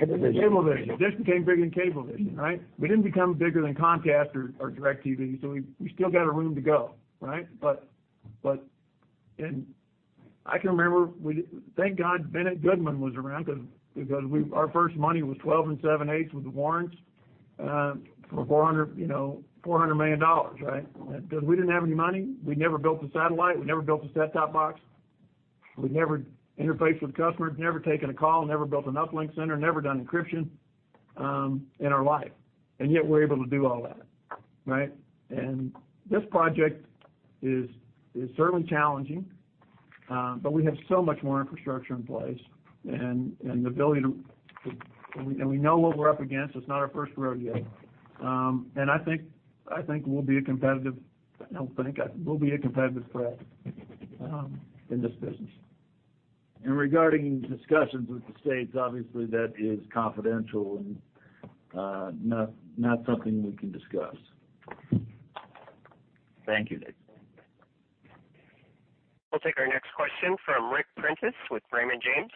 Cablevision. Cablevision. DISH became bigger than Cablevision, right? We didn't become bigger than Comcast or DirecTV, so we still got a room to go, right? I can remember we thank God Bennett Goodman was around because our first money was 12 and 7/8 with the warrants for $400 million, right? Because we didn't have any money. We never built a satellite. We never built a set-top box. We never interfaced with customers, never taken a call, never built an uplink center, never done encryption in our life. Yet we're able to do all that, right? This project is certainly challenging, but we have so much more infrastructure in place and the ability to. We know what we're up against. It's not our first rodeo. I think we'll be a competitive threat in this business. Regarding discussions with the states, obviously that is confidential and not something we can discuss. Thank you. We'll take our next question from Ric Prentiss with Raymond James.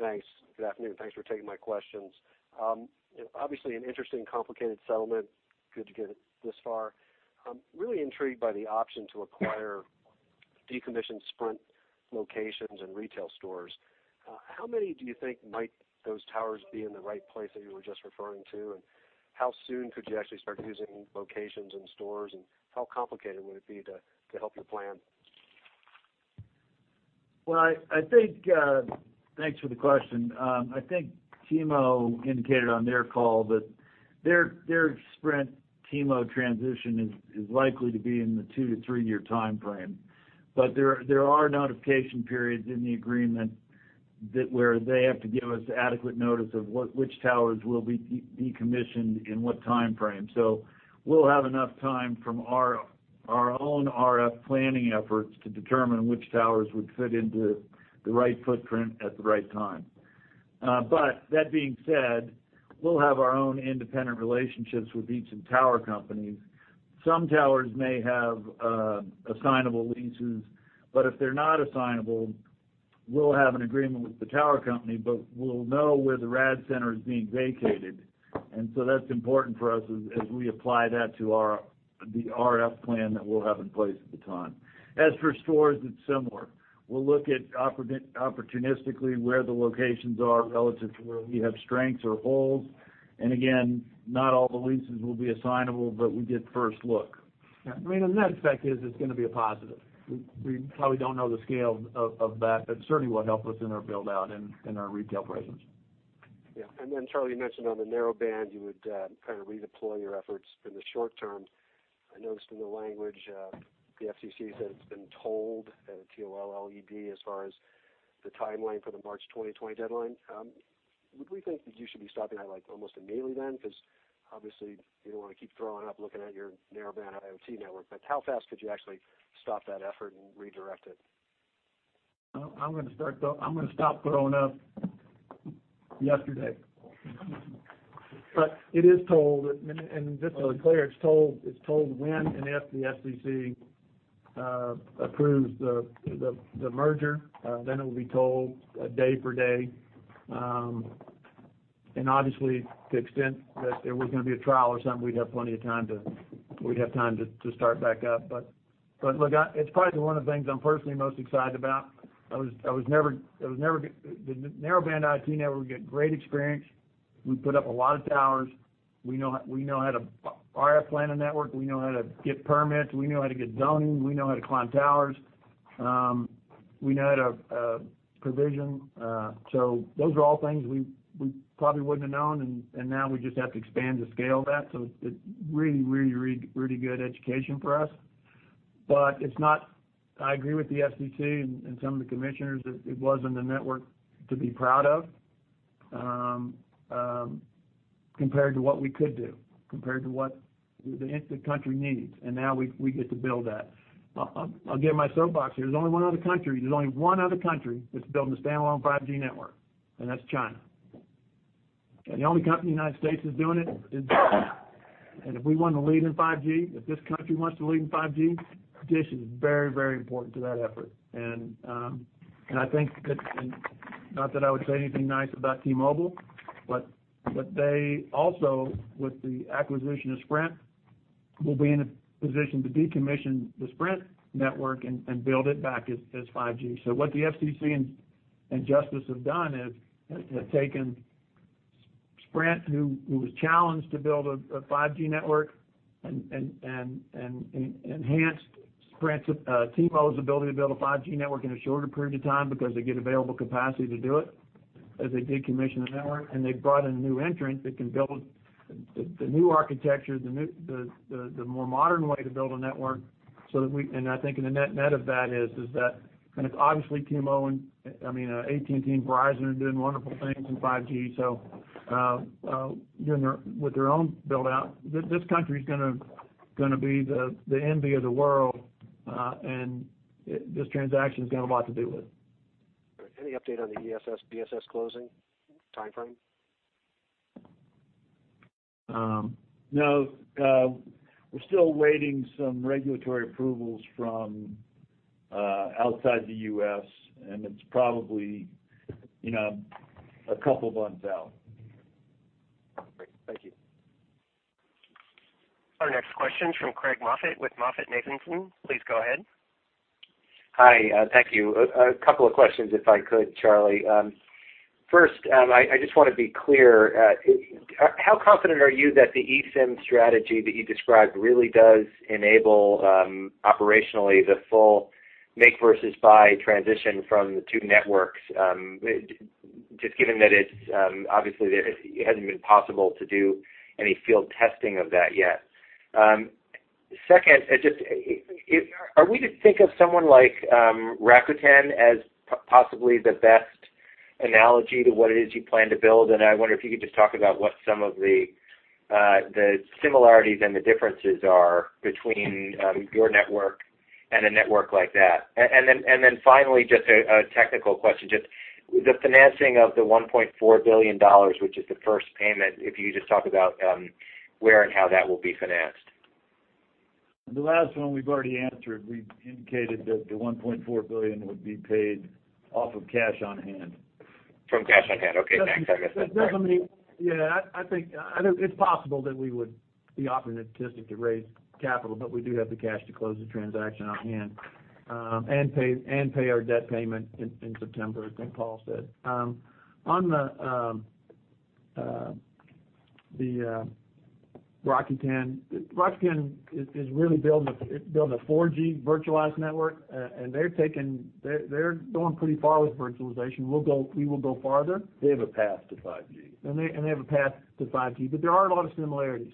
Thanks. Good afternoon. Thanks for taking my questions. Obviously an interesting, complicated settlement. Good to get it this far. I'm really intrigued by the option to acquire decommissioned Sprint locations and retail stores. How many do you think might those towers be in the right place that you were just referring to? How soon could you actually start using locations and stores, and how complicated would it be to help your plan? Thanks for the question. T-Mo indicated on their call that their Sprint T-Mo transition is likely to be in the two to three-year timeframe. There are notification periods in the agreement where they have to give us adequate notice of which towers will be decommissioned in what timeframe. We'll have enough time from our own RF planning efforts to determine which towers would fit into the right footprint at the right time. That being said, we'll have our own independent relationships with each tower company. Some towers may have assignable leases, but if they're not assignable, we'll have an agreement with the tower company, but we'll know where the RAD center is being vacated. That's important for us as we apply that to the RF plan that we'll have in place at the time. As for stores, it's similar. We'll look at opportunistically where the locations are relative to where we have strengths or holes. Again, not all the leases will be assignable, but we get first look. I mean, the net effect is it's gonna be a positive. We probably don't know the scale of that, but it certainly will help us in our build-out and in our retail presence. Yeah. Charlie, you mentioned on the Narrowband, you would kind of redeploy your efforts in the short term. I noticed in the language, the FCC has been tolled, T-O-L-L-E-D, as far as the timeline for the March 2020 deadline. Would we think that you should be stopping that, like, almost immediately then? Because obviously you don't wanna keep throwing up looking at your Narrowband IoT network. How fast could you actually stop that effort and redirect it? I'm gonna start though. I'm gonna stop throwing up yesterday. It is tolled, and just to be clear, it's tolled when and if the FCC approves the merger, then it will be tolled day per day. Obviously to the extent that there was gonna be a trial or something, we'd have plenty of time to start back up. Look, it's probably one of the things I'm personally most excited about. The Narrowband IoT network, we get great experience. We put up a lot of towers. We know how to RF plan a network. We know how to get permits. We know how to get zoning. We know how to climb towers. We know how to provision. Those are all things we probably wouldn't have known, and now we just have to expand the scale of that. It's not I agree with the FCC and some of the commissioners that it wasn't a network to be proud of, compared to what we could do, compared to what the country needs, and now we get to build that. I'll get my soapbox here. There's only one other country that's building a standalone 5G network, and that's China. The only company in the U.S. that's doing it is us. If we wanna lead in 5G, if this country wants to lead in 5G, DISH is very important to that effort. I think that, not that I would say anything nice about T-Mobile, but they also, with the acquisition of Sprint, will be in a position to decommission the Sprint network and build it back as 5G. What the FCC and Justice have done is they've taken Sprint, who was challenged to build a 5G network and enhanced Sprint's T-Mobile's ability to build a 5G network in a shorter period of time because they get available capacity to do it as they decommission the network. They brought in a new entrant that can build the new architecture, the more modern way to build a network. I think in the net of that is that it's obviously T-Mobile and AT&T and Verizon are doing wonderful things in 5G, doing with their own build-out. This country's gonna be the envy of the world, this transaction's got a lot to do with it. All right. Any update on the OSS/BSS closing timeframe? No. We're still awaiting some regulatory approvals from outside the U.S. and it's probably, you know, a couple of months out. Questions from Craig Moffett with MoffettNathanson. Please go ahead. Hi. Thank you. A couple of questions, if I could, Charlie. First, I just want to be clear, how confident are you that the eSIM strategy that you described really does enable operationally the full make versus buy transition from the two networks, just given that it's obviously there, it hasn't been possible to do any field testing of that yet. Second, it's just, are we to think of someone like Rakuten as possibly the best analogy to what it is you plan to build? I wonder if you could just talk about what some of the similarities and the differences are between your network and a network like that. Then finally, just a technical question. Just the financing of the $1.4 billion, which is the first payment, if you could just talk about, where and how that will be financed? The last one we've already answered. We indicated that the $1.4 billion would be paid off of cash on hand. From cash on hand. Okay, thanks. I missed that part. Doesn't mean Yeah, I think, I know it's possible that we would be opportunistic to raise capital, but we do have the cash to close the transaction on hand, and pay our debt payment in September, I think Paul said. Rakuten is really building a 4G virtualized network. They're going pretty far with virtualization. We will go farther. They have a path to 5G. They have a path to 5G, but there are a lot of similarities.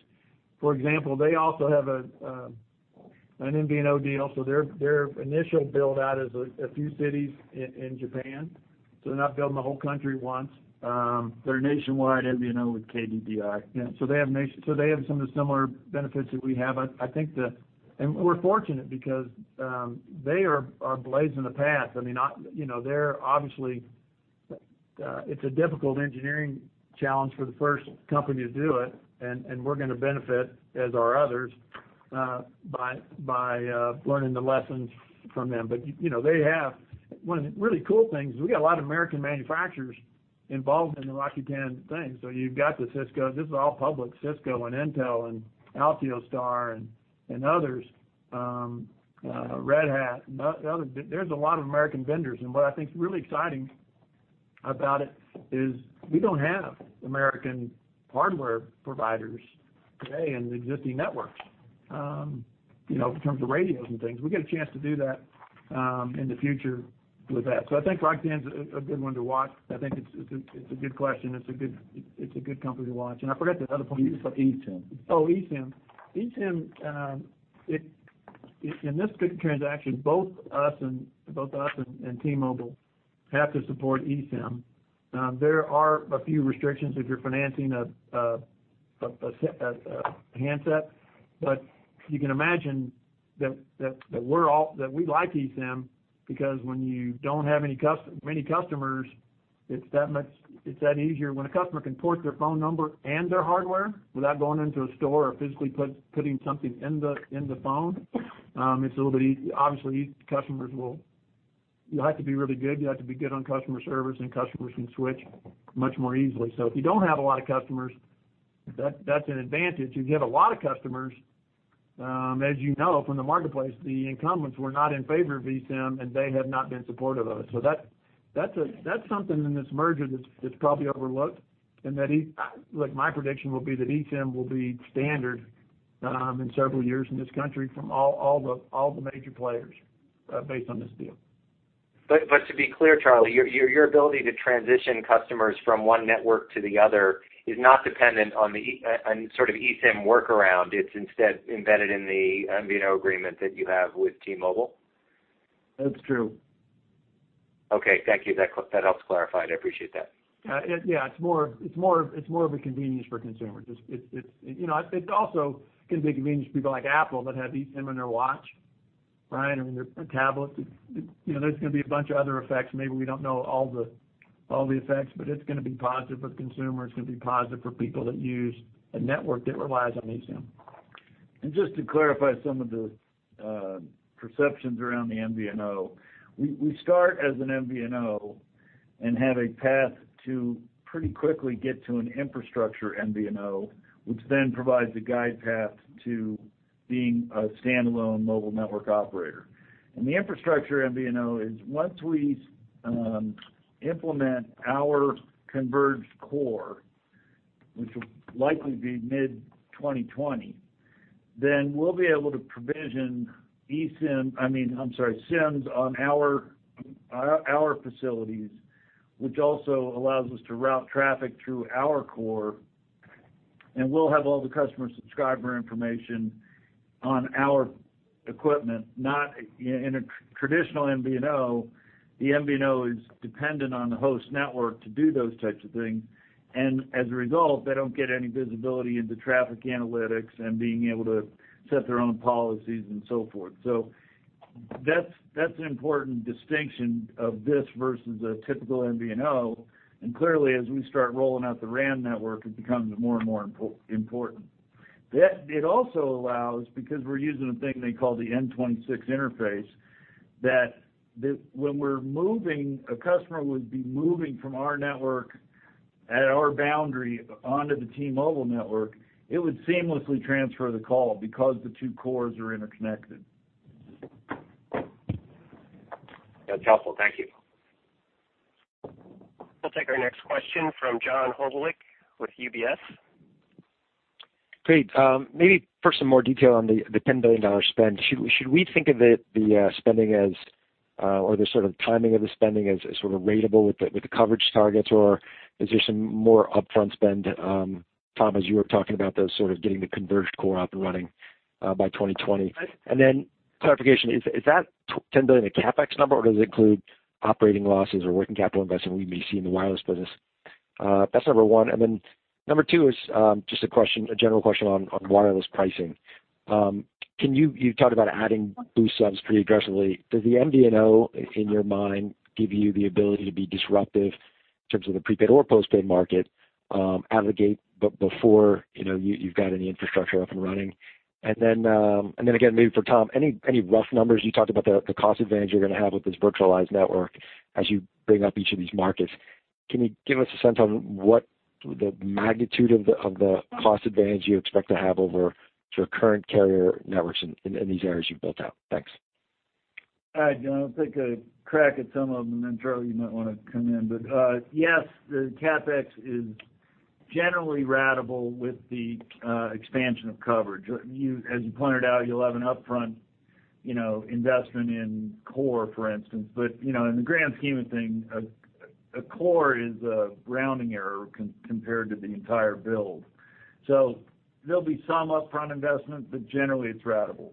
For example, they also have an MVNO deal. Their initial build out is a few cities in Japan. They're not building the whole country once. Their nationwide MVNO with KDDI. Yeah. They have some of the similar benefits that we have. I think we're fortunate because they are blazing the path. I mean, I, you know, they're obviously, it's a difficult engineering challenge for the first company to do it, and we're gonna benefit, as are others, by learning the lessons from them. You know, they have One of the really cool things is we got a lot of American manufacturers involved in the Rakuten thing. You've got the Ciscos. This is all public, Cisco and Intel and Altiostar and others, Red Hat. There's a lot of American vendors. What I think is really exciting about it is we don't have American hardware providers today in the existing networks, you know, in terms of radios and things. We get a chance to do that in the future with that. I think Rakuten's a good one to watch. I think it's a good question. It's a good company to watch. I forgot the other point you said. eSIM. Oh, eSIM. eSIM, in this transaction, both us and T-Mobile have to support eSIM. There are a few restrictions if you're financing a handset, but you can imagine that we like eSIM because when you don't have many customers, it's that much easier. When a customer can port their phone number and their hardware without going into a store or physically putting something in the phone, it's a little bit easy. Obviously, you have to be really good. You have to be good on customer service, customers can switch much more easily. If you don't have a lot of customers, that's an advantage. If you have a lot of customers, as you know from the marketplace, the incumbents were not in favor of eSIM, and they have not been supportive of it. That's a, that's something in this merger that's probably overlooked. My prediction will be that eSIM will be standard in several years in this country from all the major players, based on this deal. To be clear, Charlie, your ability to transition customers from one network to the other is not dependent on the eSIM workaround. It is instead embedded in the MVNO agreement that you have with T-Mobile? That's true. Okay. Thank you. That helps clarify it. I appreciate that. It's more of a convenience for consumers. It's, you know, it also can be a convenience for people like Apple that have eSIM in their watch, right? I mean, their tablets. You know, there's gonna be a bunch of other effects. Maybe we don't know all the effects, but it's gonna be positive for consumers. It's gonna be positive for people that use a network that relies on eSIM. Just to clarify some of the perceptions around the MVNO. We start as an MVNO and have a path to pretty quickly get to an infrastructure MVNO, which then provides a glide path to being a standalone mobile network operator. The infrastructure MVNO is once we implement our converged core, which will likely be mid-2020, then we'll be able to provision eSIM, I mean, SIMs on our facilities, which also allows us to route traffic through our core, and we'll have all the customer subscriber information on our equipment, not in a traditional MVNO, the MVNO is dependent on the host network to do those types of things, and as a result, they don't get any visibility into traffic analytics and being able to set their own policies and so forth. That's an important distinction of this versus a typical MVNO. Clearly, as we start rolling out the RAN network, it becomes more and more important. It also allows, because we're using a thing they call the N26 interface, when we're moving, a customer would be moving from our network at our boundary onto the T-Mobile network, it would seamlessly transfer the call because the two cores are interconnected. That's helpful. Thank you. We'll take our next question from John Hodulik with UBS. Great. Maybe for some more detail on the $10 billion spend. Should we think of it, the spending as, or the sort of timing of the spending as sort of ratable with the, with the coverage targets, or is there some more upfront spend, Tom, as you were talking about the sort of getting the converged core up and running, by 2020? Clarification, is that $10 billion a CapEx number, or does it include operating losses or working capital investment we may see in the wireless business? That's number one, number two is just a question, a general question on wireless pricing. You talked about adding Boost subs pretty aggressively. Does the MVNO, in your mind, give you the ability to be disruptive in terms of the prepaid or postpaid market, out of the gate, but before, you know, you've got any infrastructure up and running? Then, and then again, maybe for Tom, any rough numbers? You talked about the cost advantage you're gonna have with this virtualized network as you bring up each of these markets. Can you give us a sense on what the magnitude of the cost advantage you expect to have over your current carrier networks in these areas you've built out? Thanks. All right, John, I'll take a crack at some of them. Charlie, you might wanna come in. Yes, the CapEx is generally ratable with the expansion of coverage. As you pointed out, you'll have an upfront, you know, investment in core, for instance. You know, in the grand scheme of things, a core is a rounding error compared to the entire build. There'll be some upfront investment, but generally it's ratable.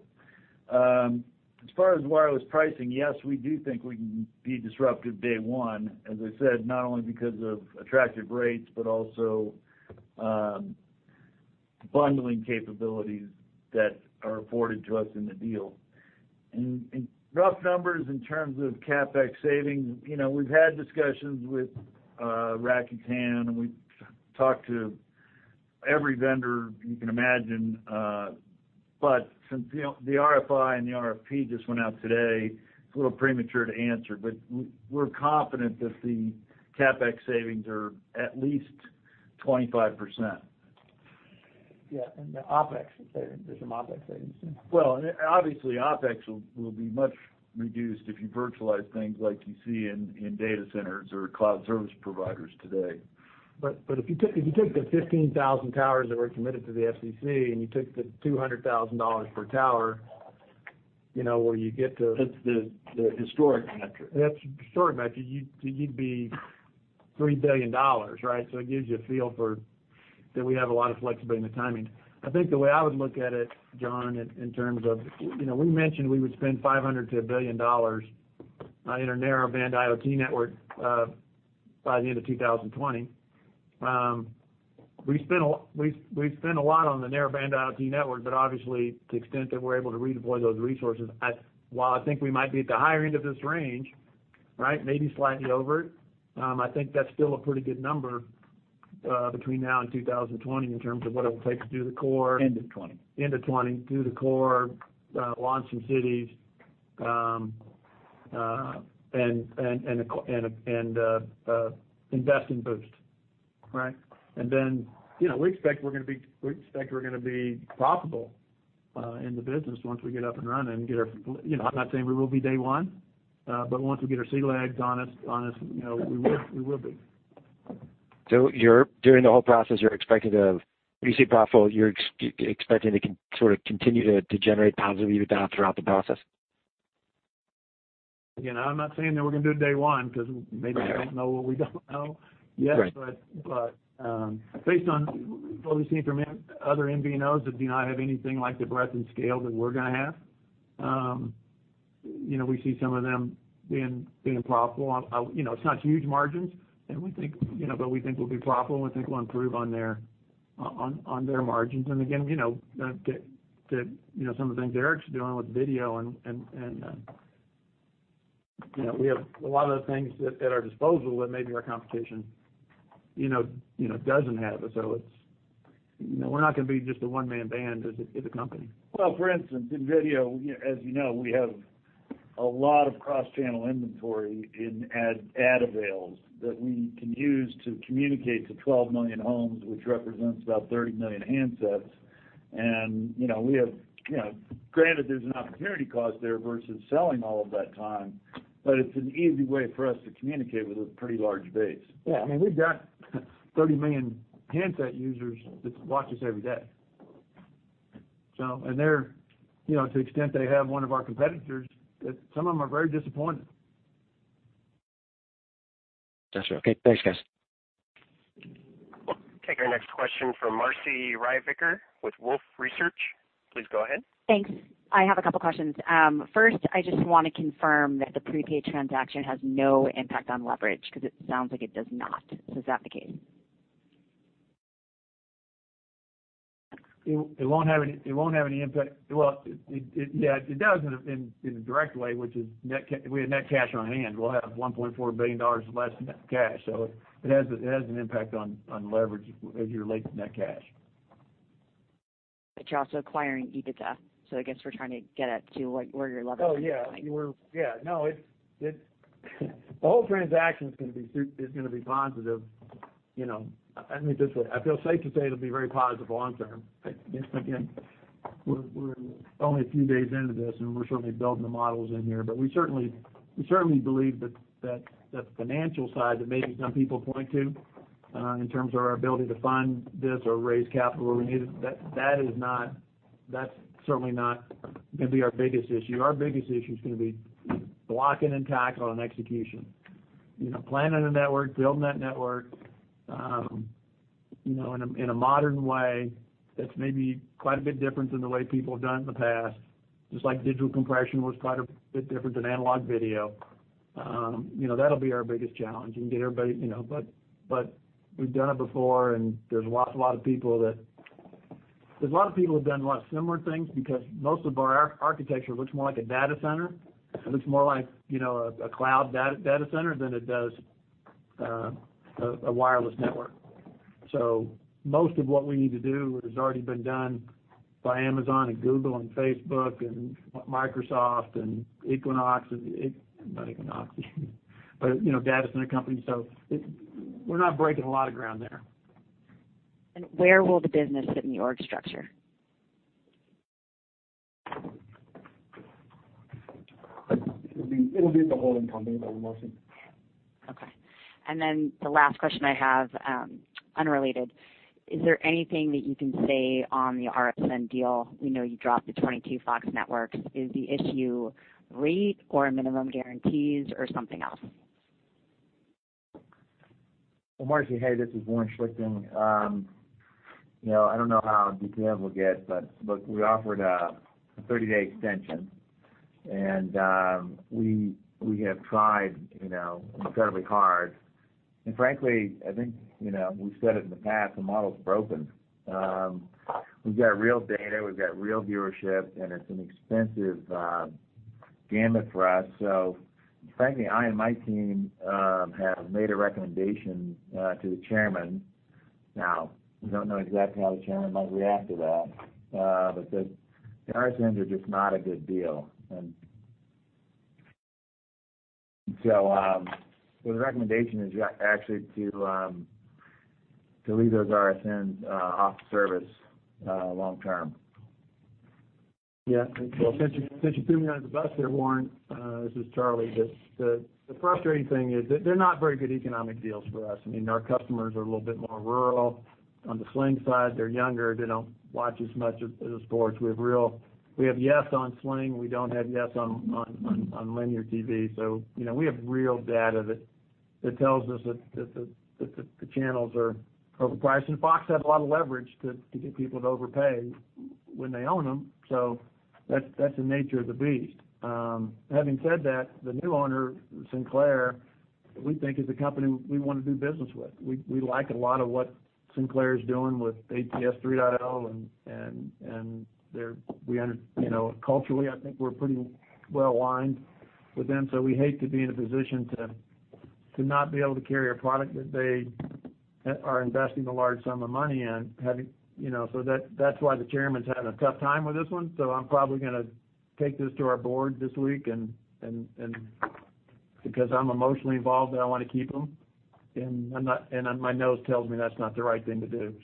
As far as wireless pricing, yes, we do think we can be disruptive day one, as I said, not only because of attractive rates, but also bundling capabilities that are afforded to us in the deal. Rough numbers in terms of CapEx savings, you know, we've had discussions with Rakuten, and we've talked to every vendor you can imagine. Since, you know, the RFI and the RFP just went out today, it's a little premature to answer, but we're confident that the CapEx savings are at least 25%. Yeah, the OpEx is there. There's some OpEx savings too. Obviously, OpEx will be much reduced if you virtualize things like you see in data centers or cloud service providers today. If you took the 15,000 towers that were committed to the FCC, and you took the $200,000 per tower, you know. That's the historic metric. That's the historic metric. You'd be $3 billion, right? It gives you a feel for that we have a lot of flexibility in the timing. I think the way I would look at it, John, in terms of, you know, we mentioned we would spend $500 million-$1 billion on our Narrowband IoT network by the end of 2020. We spent a lot on the Narrowband IoT network, but obviously, to the extent that we're able to redeploy those resources, while I think we might be at the higher end of this range, right? Maybe slightly over it, I think that's still a pretty good number between now and 2020 in terms of what it'll take to do the core. End of 2020. End of 2020. Do the core, launch some cities, and invest in Boost, right? Then, you know, we expect we're gonna be profitable in the business once we get up and running. You know, I'm not saying we will be day one, but once we get our sea legs on us, you know, we will be. You're during the whole process, you're expecting to be profitable. You're expecting to sort of continue to generate positive EBITDA throughout the process? Again, I'm not saying that we're gonna do it day one, because maybe we don't know what we don't know yet. Right. Based on what we've seen from other MVNOs that do not have anything like the breadth and scale that we're gonna have, you know, we see some of them being profitable. You know, it's not huge margins, and we think, you know, but we think we'll be profitable, and we think we'll improve on their margins. Again, you know, the, you know, some of the things Erik's doing with video and, you know, we have a lot of other things at our disposal that maybe our competition, you know, doesn't have. It's, you know, we're not gonna be just a one-man band as a company. Well, for instance, in video, as you know, we have a lot of cross-channel inventory in ad avails that we can use to communicate to 12 million homes, which represents about 30 million handsets. You know, we have, you know, granted there's an opportunity cost there versus selling all of that time, but it's an easy way for us to communicate with a pretty large base. Yeah. I mean, we've got 30 million handset users that watch us every day. They're, you know, to the extent they have one of our competitors, that some of them are very disappointed. Got you. Okay. Thanks, guys. We'll take our next question from Marci Ryvicker with Wolfe Research. Please go ahead. Thanks. I have a couple questions. First, I just wanna confirm that the prepaid transaction has no impact on leverage, 'cause it sounds like it does not. Is that the case? It won't have any impact. It does in a direct way, which is we had net cash on hand. We'll have $1.4 billion less in net cash. It has an impact on leverage as you relate to net cash. You're also acquiring EBITDA, so I guess we're trying to get at where your level is going. Oh, yeah. Yeah. No, it's, the whole transaction is gonna be positive. You know, I mean, this way, I feel safe to say it'll be very positive long term. Again, we're only a few days into this, and we're certainly building the models in here. We certainly believe that the financial side that maybe some people point to, in terms of our ability to fund this or raise capital where we need it, that's certainly not gonna be our biggest issue. Our biggest issue is gonna be blocking and tackle and execution. You know, planning a network, building that network, you know, in a, in a modern way that's maybe quite a bit different than the way people have done it in the past, just like digital compression was quite a bit different than analog video. You know, that'll be our biggest challenge and get everybody, you know We've done it before, and there's a lot of people who have done lots of similar things because most of our architecture looks more like a data center. It looks more like, you know, a cloud data center than it does a wireless network. Most of what we need to do has already been done by Amazon and Google and Facebook and Microsoft and Equinix. Not Equinix. You know, data center companies, so we're not breaking a lot of ground there. Where will the business sit in the org structure? It'll be in the holding company with Marci Ryvicker. Okay. The last question I have, unrelated, is there anything that you can say on the RSN deal? We know you dropped the 22 Fox networks. Is the issue rate or minimum guarantees or something else? Well, Marci, hey, this is Warren Schlichting. You know, I don't know how detailed we'll get, but look, we offered a 30-day extension and we have tried, you know, incredibly hard. Frankly, I think, you know, we've said it in the past, the model's broken. We've got real data, we've got real viewership, and it's an expensive gamble for us. So frankly, I and my team have made a recommendation to the Chairman. We don't know exactly how the Chairman might react to that, but the RSNs are just not a good deal. So the recommendation is actually to leave those RSNs off service long term. Yeah. Well, since you're putting me under the bus here, Warren, this is Charlie. The frustrating thing is they're not very good economic deals for us. I mean, our customers are a little bit more rural. On the Sling TV side, they're younger. They don't watch as much of the sports. We have YES Network on Sling TV. We don't have YES Network on linear TV. You know, we have real data that tells us that the channels are overpriced. Fox has a lot of leverage to get people to overpay when they own them. That's, that's the nature of the beast. Having said that, the new owner, Sinclair Broadcast Group, we think is the company we wanna do business with. We like a lot of what Sinclair is doing with ATSC 3.0, and they're, you know, culturally, I think we're pretty well aligned with them. We hate to be in a position to not be able to carry a product that they are investing a large sum of money in having. You know? That's why the Chairman's having a tough time with this one. I'm probably gonna take this to our board this week and because I'm emotionally involved and I wanna keep them, and I'm not, and my nose tells me that's not the right thing to do.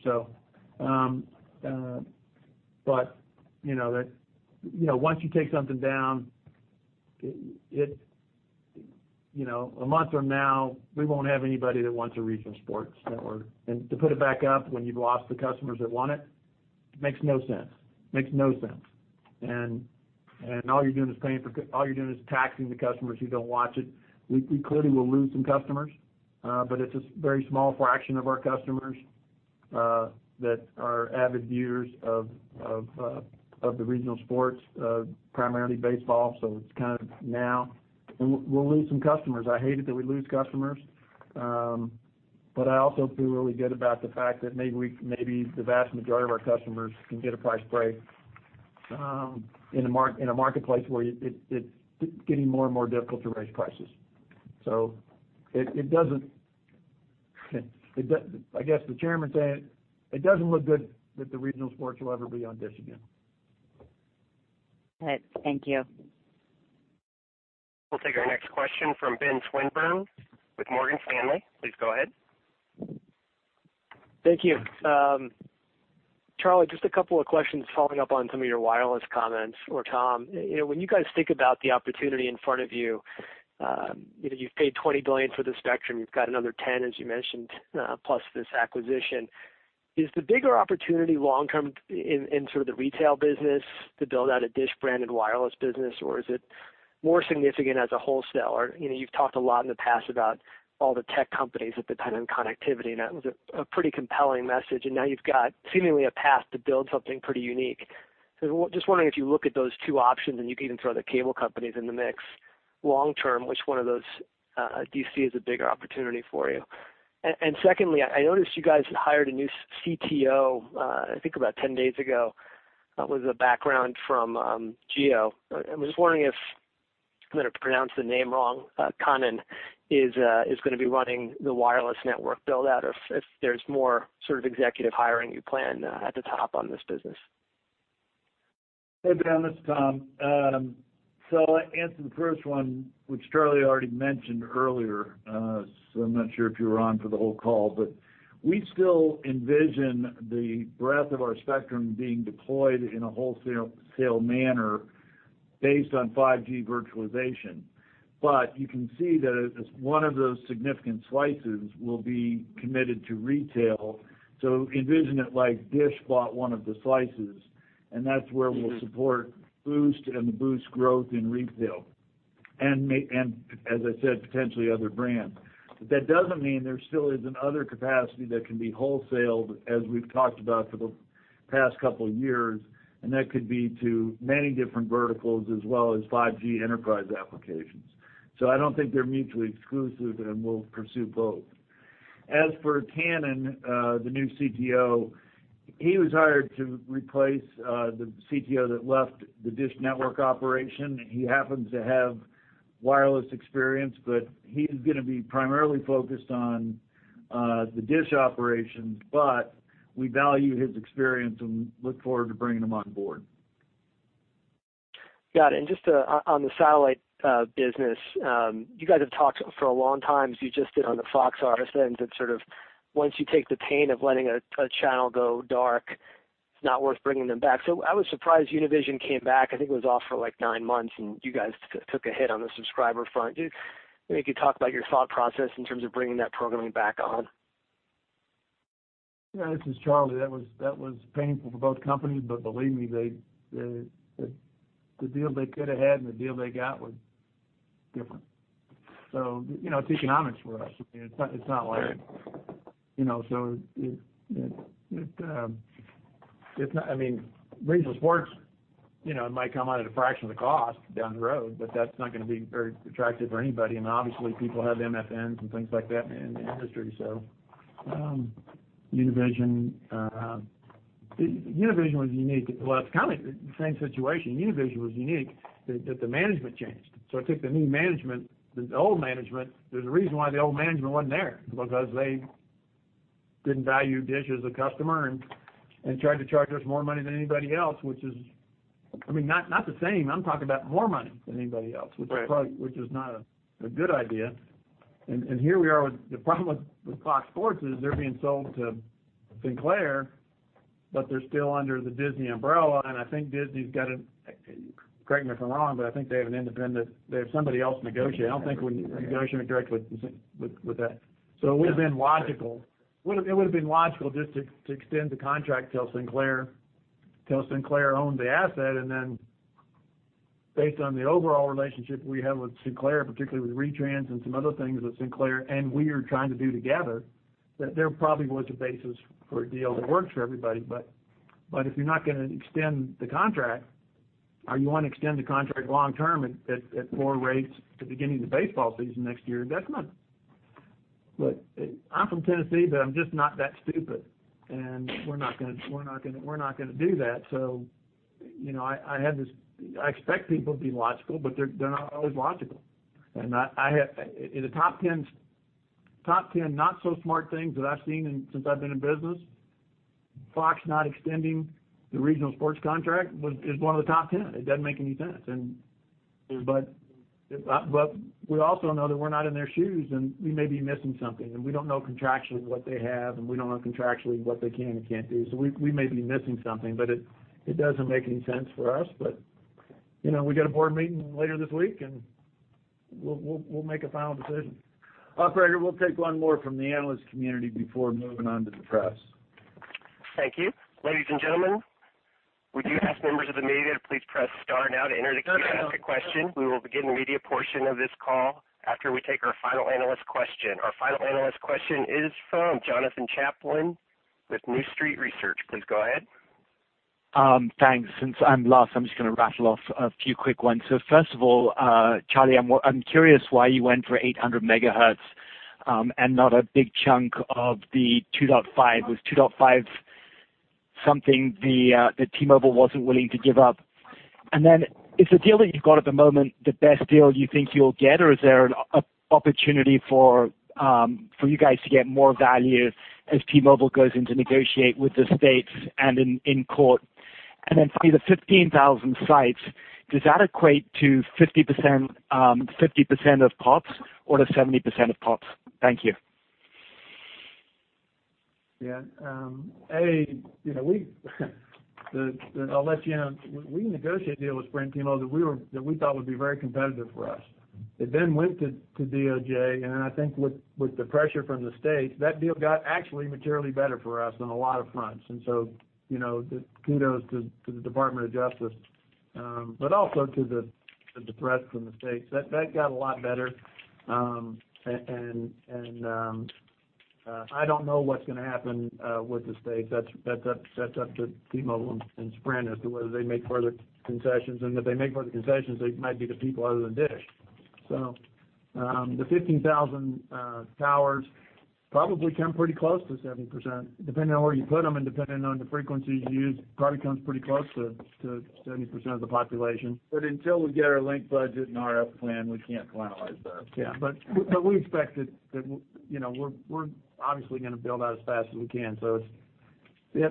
But, you know, that, you know, once you take something down, it, you know, a month from now, we won't have anybody that wants a regional sports network. To put it back up when you've lost the customers that want it, makes no sense. Makes no sense. All you're doing is taxing the customers who don't watch it. We clearly will lose some customers, but it's a very small fraction of our customers that are avid viewers of the regional sports, primarily baseball. It's kind of now. We'll lose some customers. I hate it that we lose customers. I also feel really good about the fact that maybe the vast majority of our customers can get a price break in a marketplace where it's getting more and more difficult to raise prices. I guess the Chairman said it doesn't look good that the regional sports will ever be on DISH again. All right. Thank you. We'll take our next question from Benjamin Swinburne with Morgan Stanley. Please go ahead. Thank you. Charlie, just a couple of questions following up on some of your wireless comments or Tom. You know, when you guys think about the opportunity in front of you know, you've paid $20 billion for the spectrum, you've got another $10, as you mentioned, plus this acquisition. Is the bigger opportunity long term in sort of the retail business to build out a DISH-branded wireless business, or is it more significant as a wholesaler? You know, you've talked a lot in the past about all the tech companies that depend on connectivity, that was a pretty compelling message. Now you've got seemingly a path to build something pretty unique. Just wondering if you look at those two options, and you can even throw the cable companies in the mix, long term, which one of those do you see as a bigger opportunity for you? Secondly, I noticed you guys hired a new CTO, I think about 10 days ago, with a background from Jio. I was just wondering if I'm gonna pronounce the name wrong, Kannan is gonna be running the wireless network build-out if there's more sort of executive hiring you plan at the top on this business. Hey, Ben, this is Tom. To answer the first one, which Charlie already mentioned earlier, I'm not sure if you were on for the whole call, but we still envision the breadth of our spectrum being deployed in a wholesale manner based on 5G virtualization. You can see that as one of those significant slices will be committed to retail. Envision it like DISH bought one of the slices, and that's where we'll support Boost and the Boost growth in retail and as I said, potentially other brands. That doesn't mean there still isn't other capacity that can be wholesaled, as we've talked about for the past couple of years, and that could be to many different verticals as well as 5G enterprise applications. I don't think they're mutually exclusive, and we'll pursue both. As for Kannan, the new CTO, he was hired to replace the CTO that left the DISH Network operation. He happens to have wireless experience, but he's gonna be primarily focused on the DISH operations, but we value his experience and look forward to bringing him on board. Got it. Just on the satellite business, you guys have talked for a long time, as you just did on the Fox RSN side, that sort of once you take the pain of letting a channel go dark, it's not worth bringing them back. I was surprised Univision came back. I think it was off for like nine months, and you guys took a hit on the subscriber front. Maybe you could talk about your thought process in terms of bringing that programming back on. Yeah, this is Charlie. That was painful for both companies, but believe me, the deal they could've had and the deal they got was different. You know, it's economics for us. I mean, it's not like, you know, it's not. I mean, regional sports, you know, it might come out at a fraction of the cost down the road, but that's not gonna be very attractive for anybody. I mean, obviously people have MFNs and things like that in the industry. Univision was unique. Well, it's kinda the same situation. Univision was unique that the management changed. It took the new management, the old management, there's a reason why the old management wasn't there, because they didn't value DISH as a customer and tried to charge us more money than anybody else, which is, I mean, not the same. I'm talking about more money than anybody else. Right. Which is probably, which is not a good idea. Here we are with the problem with Fox Sports is they're being sold to Sinclair, but they're still under the Disney umbrella, and I think Disney's got it correct me if I'm wrong, but I think they have an independent, they have somebody else negotiating. I don't think we're negotiating directly with that. It would've been logical. It would've been logical just to extend the contract till Sinclair, till Sinclair owned the asset, based on the overall relationship we have with Sinclair, particularly with retrans and some other things with Sinclair, and we are trying to do together, that there probably was a basis for a deal that works for everybody. If you're not gonna extend the contract or you wanna extend the contract long term at lower rates at the beginning of the baseball season next year, good luck. I'm from Tennessee, but I'm just not that stupid, and we're not gonna do that. You know, I expect people to be logical, but they're not always logical. I have In the top ten not so smart things that I've seen since I've been in business, Fox not extending the regional sports contract is one of the top ten. It doesn't make any sense. We also know that we're not in their shoes, and we may be missing something, and we don't know contractually what they have, and we don't know contractually what they can and can't do. We may be missing something, but it doesn't make any sense for us. You know, we got a board meeting later this week, and we'll make a final decision. Operator, we'll take one more from the analyst community before moving on to the press. Thank you. Ladies and gentlemen, we do ask members of the media to please press star now to indicate you have a question. We will begin the media portion of this call after we take our final analyst question. Our final analyst question is from Jonathan Chaplin with New Street Research. Please go ahead. Thanks. Since I'm last, I'm just gonna rattle off a few quick ones. First of all, Charlie, I'm curious why you went for 800 MHz and not a big chunk of the 2.5. Was 2.5 something that T-Mobile wasn't willing to give up? Is the deal that you've got at the moment, the best deal you think you'll get, or is there an opportunity for you guys to get more value as T-Mobile goes in to negotiate with the states and in court? For the 15,000 sites, does that equate to 50% of pops or to 70% of pops? Thank you. Yeah. you know, I'll let you know, we negotiated a deal with Sprint and T-Mobile that we were, that we thought would be very competitive for us. It then went to DOJ, and I think with the pressure from the states, that deal got actually materially better for us on a lot of fronts. You know, the kudos to the Department of Justice, but also to the threat from the states. That got a lot better. I don't know what's gonna happen with the states. That's up, that's up to T-Mobile and Sprint as to whether they make further concessions. If they make further concessions, they might be to people other than DISH. The 15,000 towers probably come pretty close to 70%, depending on where you put them and depending on the frequency you use, probably comes pretty close to 70% of the population. Until we get our link budget and RF plan, we can't finalize that. We expect it, you know, we're obviously gonna build out as fast as we can. The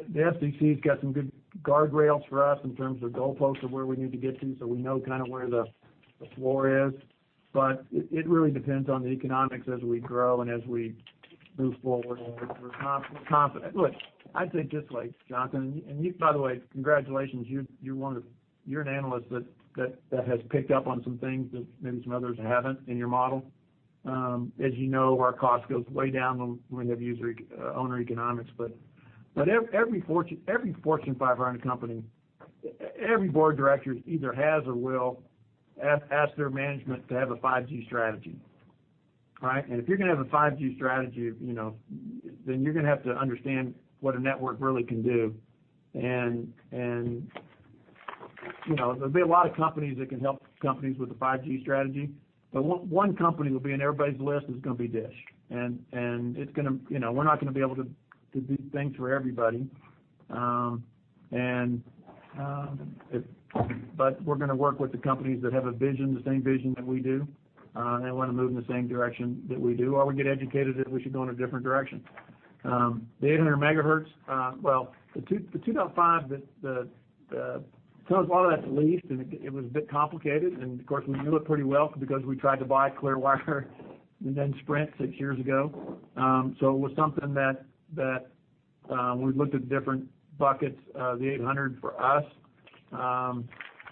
FCC has got some good guardrails for us in terms of goalposts of where we need to get to, so we know kinda where the floor is. It really depends on the economics as we grow and as we move forward. We're confident. Look, I think just like Jonathan, and you by the way, congratulations, you're an analyst that has picked up on some things that maybe some others haven't in your model. As you know, our cost goes way down when we have owner economics. Every Fortune 500 company, every Board of Director either has or will ask their management to have a 5G strategy. Right? If you're gonna have a 5G strategy, you know, then you're gonna have to understand what a network really can do. You know, there'll be a lot of companies that can help companies with the 5G strategy, but one company will be on everybody's list, is gonna be DISH. It's gonna, you know, we're not gonna be able to do things for everybody. But we're gonna work with the companies that have a vision, the same vision that we do, and wanna move in the same direction that we do, or we get educated if we should go in a different direction. The 800 MHz, well, the 2, the 2.5 that the, so a lot of that's leased and it was a bit complicated. Of course, we knew it pretty well because we tried to buy Clearwire and then Sprint six years ago. It was something that we looked at different buckets, the 800 for us,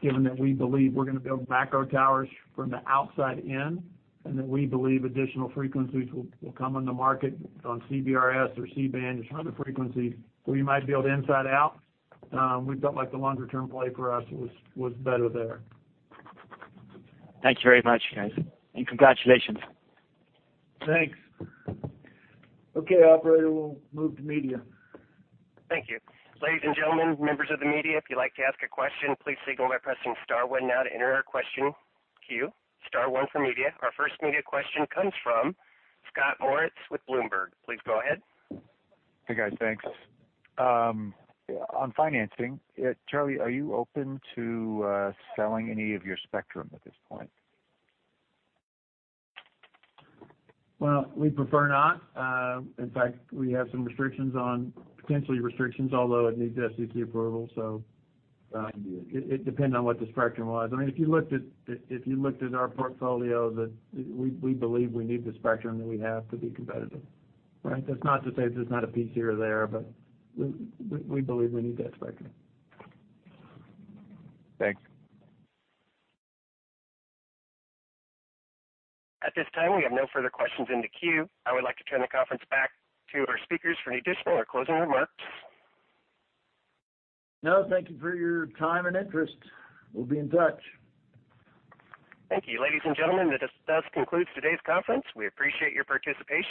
given that we believe we're gonna build back our towers from the outside in, and that we believe additional frequencies will come on the market on CBRS or C-band or some other frequency, we might be able to inside out. We felt like the longer-term play for us was better there. Thank you very much, guys. Congratulations. Thanks. Okay, operator, we'll move to media. Thank you. Ladies and gentlemen, members of the media, if you'd like to ask a question, please signal by pressing star one now to enter our question queue. Star one for media. Our first media question comes from Scott Moritz with Bloomberg. Please go ahead. Hey, guys. Thanks. On financing, Charlie, are you open to selling any of your spectrum at this point? We prefer not. In fact, we have some restrictions, potentially restrictions, although it needs FCC approval. It depends on what the spectrum was. I mean, if you looked at, if you looked at our portfolio, we believe we need the spectrum that we have to be competitive, right? That's not to say there's not a piece here or there, but we believe we need that spectrum. Thanks. At this time, we have no further questions in the queue. I would like to turn the conference back to our speakers for any additional or closing remarks. No, thank you for your time and interest. We'll be in touch. Thank you. Ladies and gentlemen, this does conclude today's conference. We appreciate your participation.